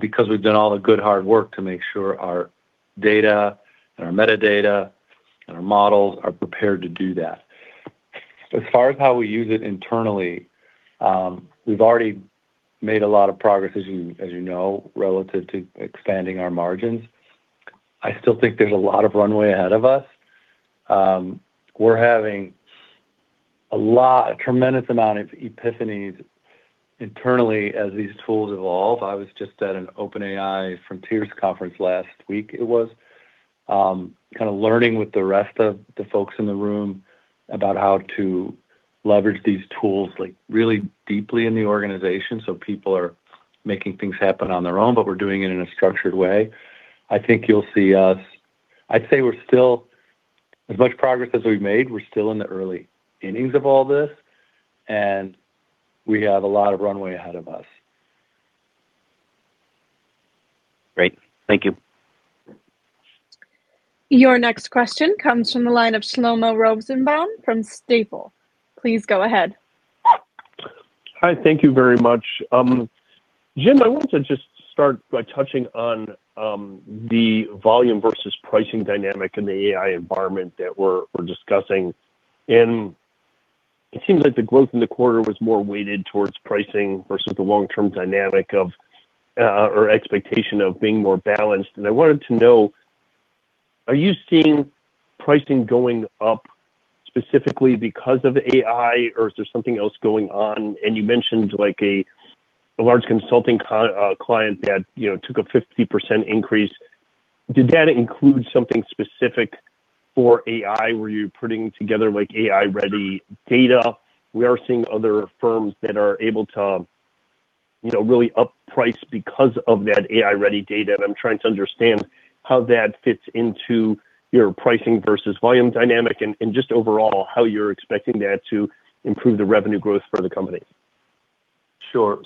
because we've done all the good hard work to make sure our data and our metadata and our models are prepared to do that. As far as how we use it internally, we've already made a lot of progress, as you know, relative to expanding our margins. I still think there's a lot of runway ahead of us. We're having a tremendous amount of epiphanies internally as these tools evolve. I was just at an OpenAI Frontiers Conference last week. It was, kinda learning with the rest of the folks in the room about how to leverage these tools, like, really deeply in the organization so people are making things happen on their own, but we're doing it in a structured way. I'd say we're still, as much progress as we've made, we're still in the early innings of all this, and we have a lot of runway ahead of us. Great. Thank you. Your next question comes from the line of Shlomo Rosenbaum from Stifel. Please go ahead. Hi. Thank you very much. Jim, I want to just start by touching on the volume versus pricing dynamic in the AI environment that we're discussing. It seems like the growth in the quarter was more weighted towards pricing versus the long-term dynamic or expectation of being more balanced. I wanted to know, are you seeing pricing going up specifically because of AI, or is there something else going on? You mentioned, like, a large consulting client that, you know, took a 50% increase. Did that include something specific for AI, where you're putting together, like, AI-ready data? We are seeing other firms that are able to, you know, really up price because of that AI-ready data. I'm trying to understand how that fits into your pricing versus volume dynamic and just overall how you're expecting that to improve the revenue growth for the company. Sure.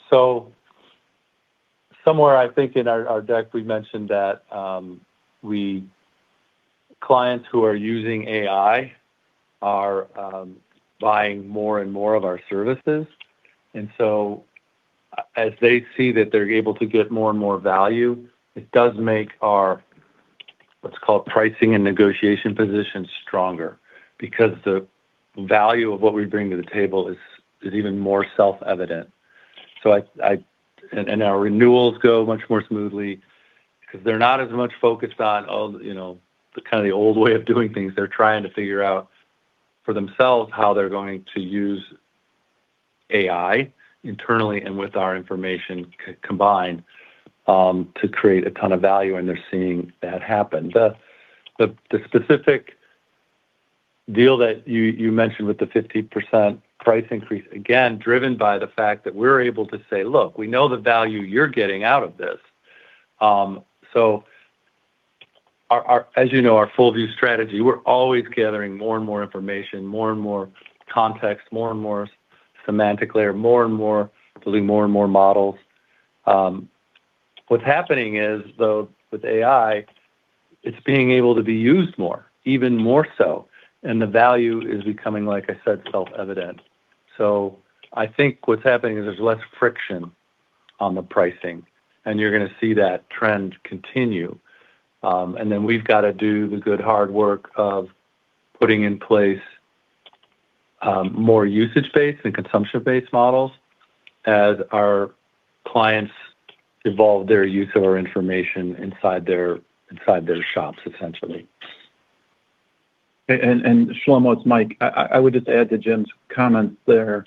Somewhere, I think in our deck, we mentioned that clients who are using AI are buying more and more of our services. As they see that they're able to get more and more value, it does make our, what's called pricing and negotiation position stronger because the value of what we bring to the table is even more self-evident. Our renewals go much more smoothly 'cause they're not as much focused on all, you know, the kinda the old way of doing things. They're trying to figure out for themselves how they're going to use AI internally and with our information combined to create a ton of value, and they're seeing that happen. The specific deal that you mentioned with the 50% price increase, again, driven by the fact that we're able to say, "Look, we know the value you're getting out of this." As you know, our Full View strategy, we're always gathering more and more information, more and more context, more and more semantic layer, more and more building more and more models. What's happening is, though, with AI, it's being able to be used more, even more so, and the value is becoming, like I said, self-evident. I think what's happening is there's less friction on the pricing, and you're gonna see that trend continue. We've gotta do the good hard work of putting in place, more usage-based and consumption-based models as our clients evolve their use of our information inside their shops, essentially. Shlomo, it's Mike. I would just add to Jim's comment there.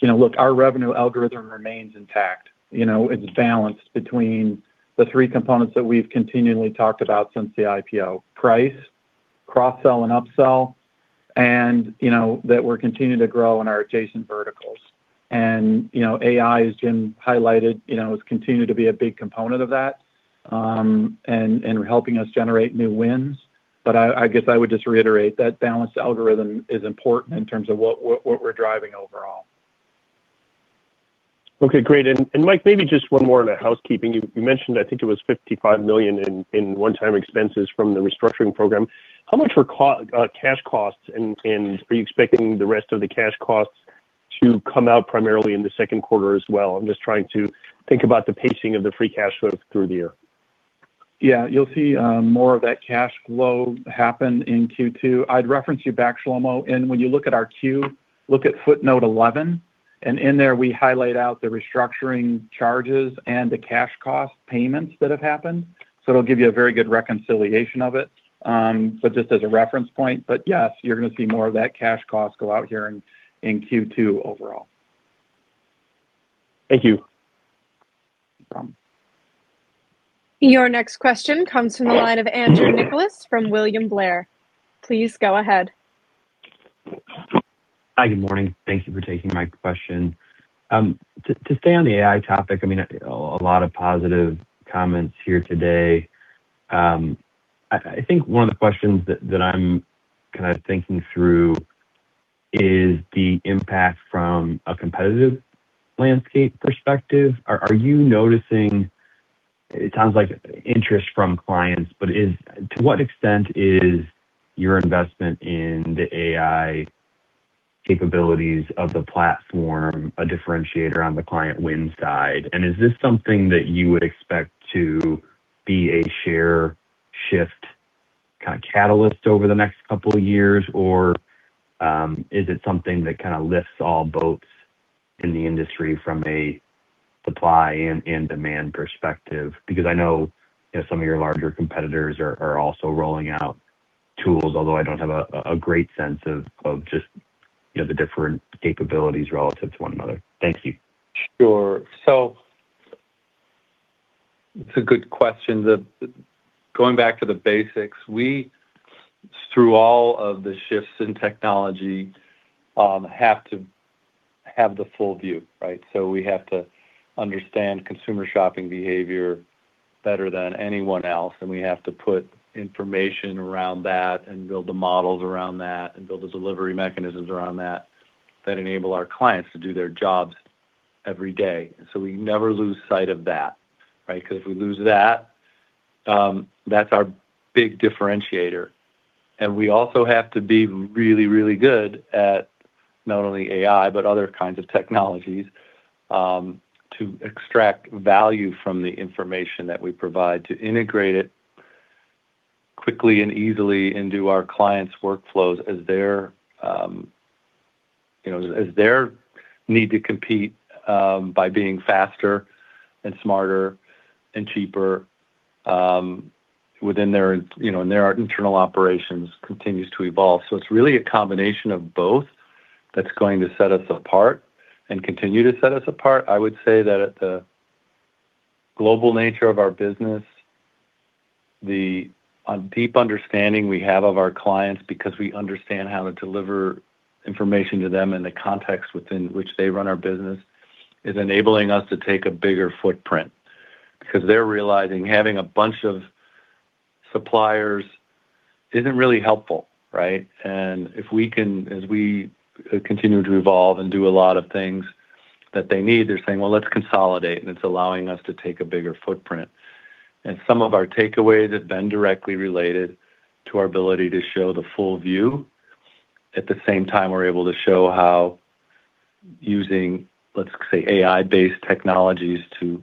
You know, look, our revenue algorithm remains intact. You know, it's balanced between the three components that we've continually talked about since the IPO: price, cross-sell and up-sell, you know, that we're continuing to grow in our adjacent verticals. You know, AI, as Jim highlighted, you know, has continued to be a big component of that, and helping us generate new wins. I guess I would just reiterate that balanced algorithm is important in terms of what we're driving overall. Okay. Great. Mike, maybe just one more on the housekeeping. You mentioned I think it was $55 million in one-time expenses from the restructuring program. How much were cash costs, and are you expecting the rest of the cash costs to come out primarily in the second quarter as well? I'm just trying to think about the pacing of the free cash flow through the year. Yeah. You'll see more of that cash flow happen in Q2. I'd reference you back, Shlomo, and when you look at our Q, look at footnote 11, and in there we highlight out the restructuring charges and the cash cost payments that have happened. It'll give you a very good reconciliation of it, but just as a reference point. Yes, you're gonna see more of that cash cost go out here in Q2 overall. Thank you. Your next question comes from the line of Andrew Nicholas from William Blair. Please go ahead. Hi. Good morning. Thank you for taking my question. To stay on the AI topic, I mean, a lot of positive comments here today. I think one of the questions that I'm kind of thinking through is the impact from a competitive landscape perspective. Are you noticing, it sounds like interest from clients, to what extent is your investment in the AI capabilities of the platform a differentiator on the client wins side? Is this something that you would expect to be a share shift kind of catalyst over the next couple of years or is it something that kind of lifts all boats in the industry from a supply and demand perspective? I know, you know, some of your larger competitors are also rolling out tools, although I don't have a great sense of just, you know, the different capabilities relative to one another. Thank you. Sure. It's a good question. Going back to the basics, we, through all of the shifts in technology, have to have the Full View, right? We have to understand consumer shopping behavior better than anyone else, and we have to put information around that and build the models around that and build the delivery mechanisms around that enable our clients to do their jobs every day. We never lose sight of that, right? 'Cause if we lose that's our big differentiator. We also have to be really, really good at not only AI, but other kinds of technologies, to extract value from the information that we provide to integrate it quickly and easily into our clients' workflows as their, you know, as their need to compete, by being faster and smarter and cheaper, within their, you know, and their internal operations continues to evolve. It's really a combination of both that's going to set us apart and continue to set us apart. I would say that at the global nature of our business, the deep understanding we have of our clients because we understand how to deliver information to them in the context within which they run our business, is enabling us to take a bigger footprint. They're realizing having a bunch of suppliers isn't really helpful, right? If we can, as we continue to evolve and do a lot of things that they need, they're saying, "Well, let's consolidate," and it's allowing us to take a bigger footprint. At the same time, we're able to show how using, let's say, AI-based technologies to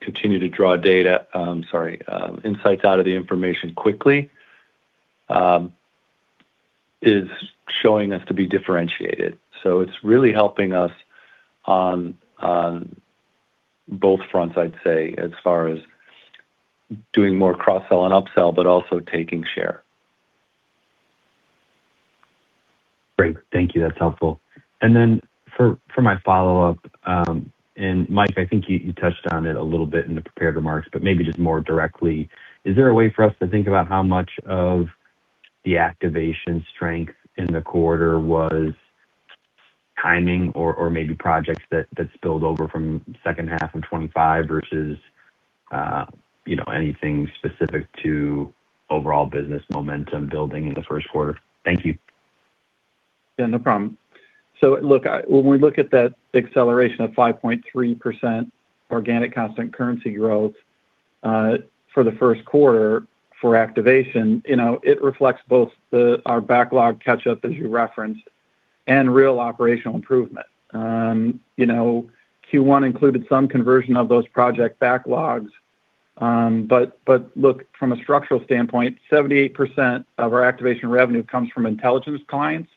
continue to draw data, insights out of the information quickly, is showing us to be differentiated. It's really helping us on both fronts, I'd say, as far as doing more cross-sell and up-sell, but also taking share. Great. Thank you. That's helpful. Then for my follow-up, Mike, I think you touched on it a little bit in the prepared remarks, but maybe just more directly, is there a way for us to think about how much of the activation strength in the quarter was timing or maybe projects that spilled over from second half of 2025 versus, you know, anything specific to overall business momentum building in the first quarter? Thank you. Yeah, no problem. Look, when we look at that acceleration of 5.3% organic constant currency growth, for the first quarter for activation, you know, it reflects both the, our backlog catch-up, as you referenced, and real operational improvement. You know, Q1 included some conversion of those project backlogs. Look, from a structural standpoint, 78% of our activation revenue comes from intelligence clients,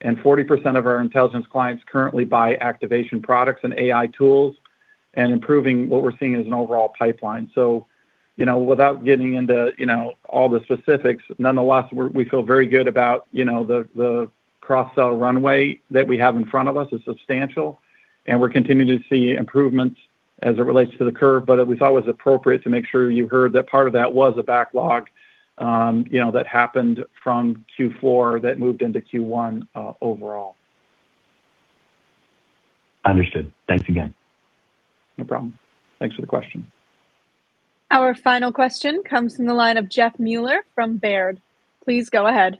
and 40% of our intelligence clients currently buy activation products and AI tools and improving what we're seeing as an overall pipeline. You know, without getting into, you know, all the specifics, nonetheless, we feel very good about, you know, the cross-sell runway that we have in front of us is substantial, and we're continuing to see improvements as it relates to the curve. We thought it was appropriate to make sure you heard that part of that was a backlog, you know, that happened from Q4 that moved into Q1, overall. Understood. Thanks again. No problem. Thanks for the question. Our final question comes from the line of Jeff Meuler from Baird. Please go ahead.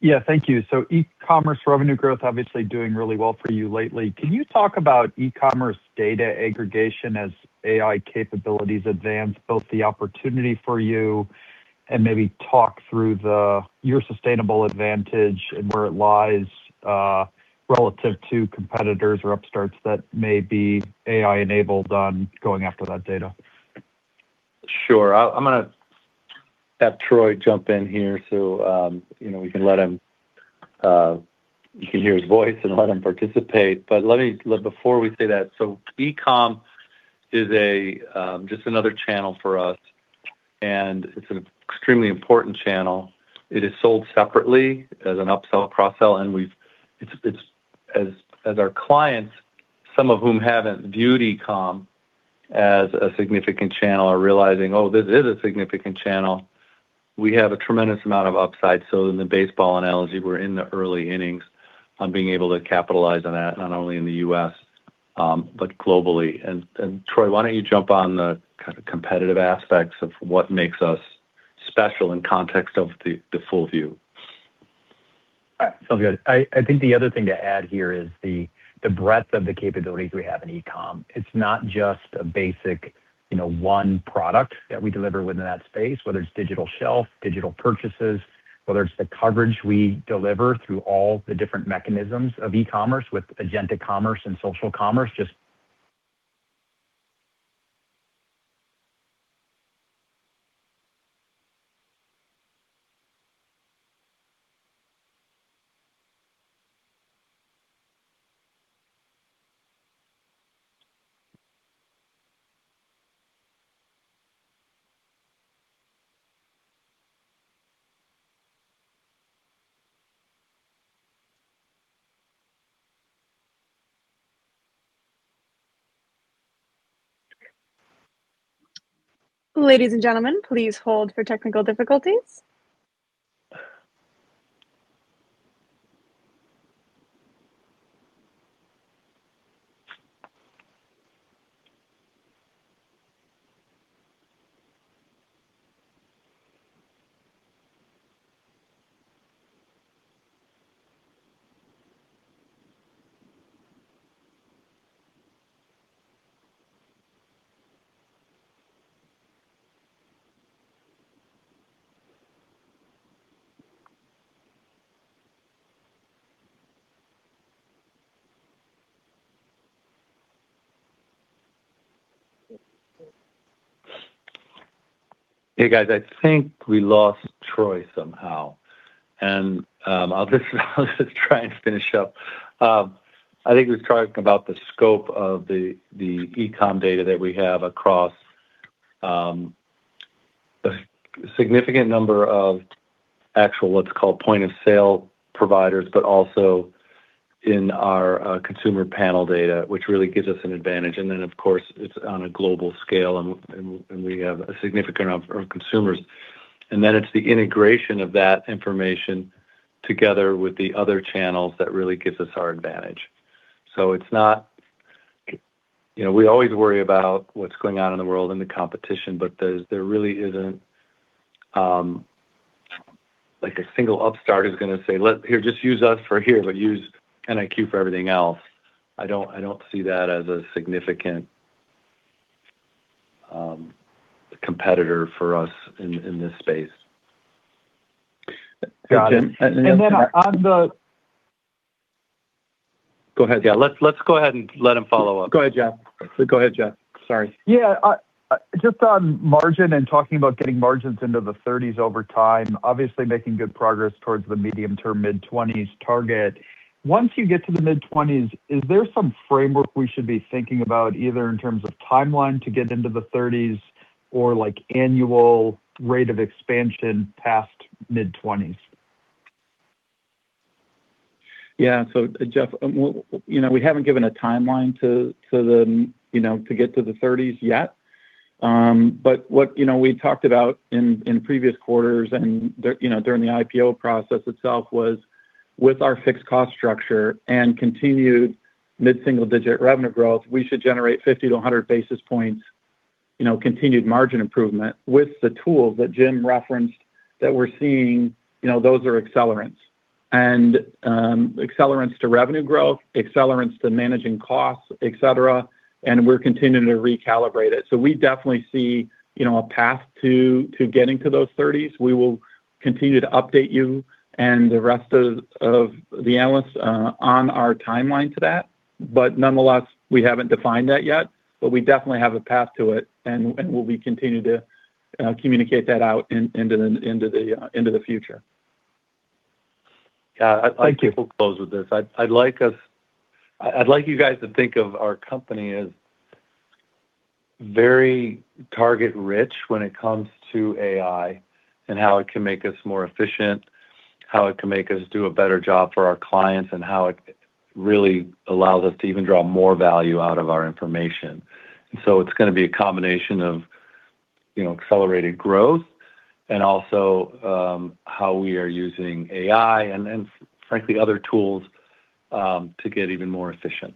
Yeah, thank you. E-commerce revenue growth obviously doing really well for you lately. Can you talk about e-commerce data aggregation as AI capabilities advance, both the opportunity for you, and maybe talk through your sustainable advantage and where it lies relative to competitors or upstarts that may be AI-enabled on going after that data? Sure. I'm gonna have Troy jump in here, so, you know, we can let him, you can hear his voice and let him participate. Before we say that, eCom is a just another channel for us, and it's an extremely important channel. It is sold separately as an up-sell, cross-sell. As our clients, some of whom haven't viewed e-com as a significant channel, are realizing, oh, this is a significant channel, we have a tremendous amount of upside. In the baseball analogy, we're in the early innings on being able to capitalize on that, not only in the U.S., but globally. Troy, why don't you jump on the kind of competitive aspects of what makes us special in context of the Full View? All right. Sounds good. I think the other thing to add here is the breadth of the capabilities we have in eCom. It's not just a basic, you know, one product that we deliver within that space, whether it's digital shelf, digital purchases, whether it's the coverage we deliver through all the different mechanisms of e-commerce with agentic commerce and social commerce. Ladies and gentlemen, please hold for technical difficulties. Hey, guys. I think we lost Troy somehow. I'll just try and finish up. I think he was talking about the scope of the eCom data that we have across the significant number of actual, what's called point of sale providers, but also in our consumer panel data, which really gives us an advantage. Of course, it's on a global scale and we have a significant amount of consumers. It's the integration of that information together with the other channels that really gives us our advantage. It's not You know, we always worry about what's going on in the world and the competition, but there's, there really isn't, like, a single upstart who's gonna say, "Let Here, just use us for here, but use NIQ for everything else." I don't, I don't see that as a significant, competitor for us in this space. Got it. Jim. And then on the- Go ahead. Yeah. Let's go ahead and let him follow up. Go ahead, Jeff. Sorry. Just on margin and talking about getting margins into the 30s over time, obviously making good progress towards the medium-term mid-20s target. Once you get to the mid-20s, is there some framework we should be thinking about, either in terms of timeline to get into the 30s or, like, annual rate of expansion past mid-20s? Jeff, you know, we haven't given a timeline to the, you know, to get to the 30s yet. What, you know, we talked about in previous quarters and you know, during the IPO process itself was with our fixed cost structure and continued mid-single-digit revenue growth, we should generate 50-100 basis points, you know, continued margin improvement with the tools that Jim Peck referenced that we're seeing, you know, those are accelerants. Accelerants to revenue growth, accelerants to managing costs, et cetera, we're continuing to recalibrate it. We definitely see, you know, a path to getting to those 30s. We will continue to update you and the rest of the analysts on our timeline to that. Nonetheless, we haven't defined that yet, but we definitely have a path to it and we'll be continuing to communicate that out into the future. Yeah. I think we'll close with this. I'd like you guys to think of our company as very target rich when it comes to AI and how it can make us more efficient, how it can make us do a better job for our clients, and how it really allows us to even draw more value out of our information. It's gonna be a combination of, you know, accelerated growth and also how we are using AI and frankly, other tools to get even more efficient.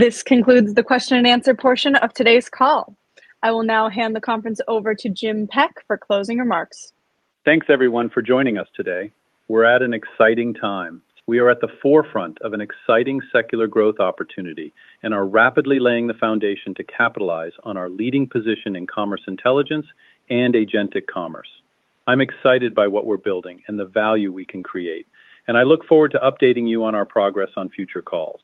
This concludes the question and answer portion of today's call. I will now hand the conference over to Jim Peck for closing remarks. Thanks everyone for joining us today. We're at an exciting time. We are at the forefront of an exciting secular growth opportunity and are rapidly laying the foundation to capitalize on our leading position in commerce intelligence and agentic commerce. I'm excited by what we're building and the value we can create, and I look forward to updating you on our progress on future calls.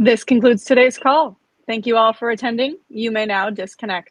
This concludes today's call. Thank you all for attending. You may now disconnect.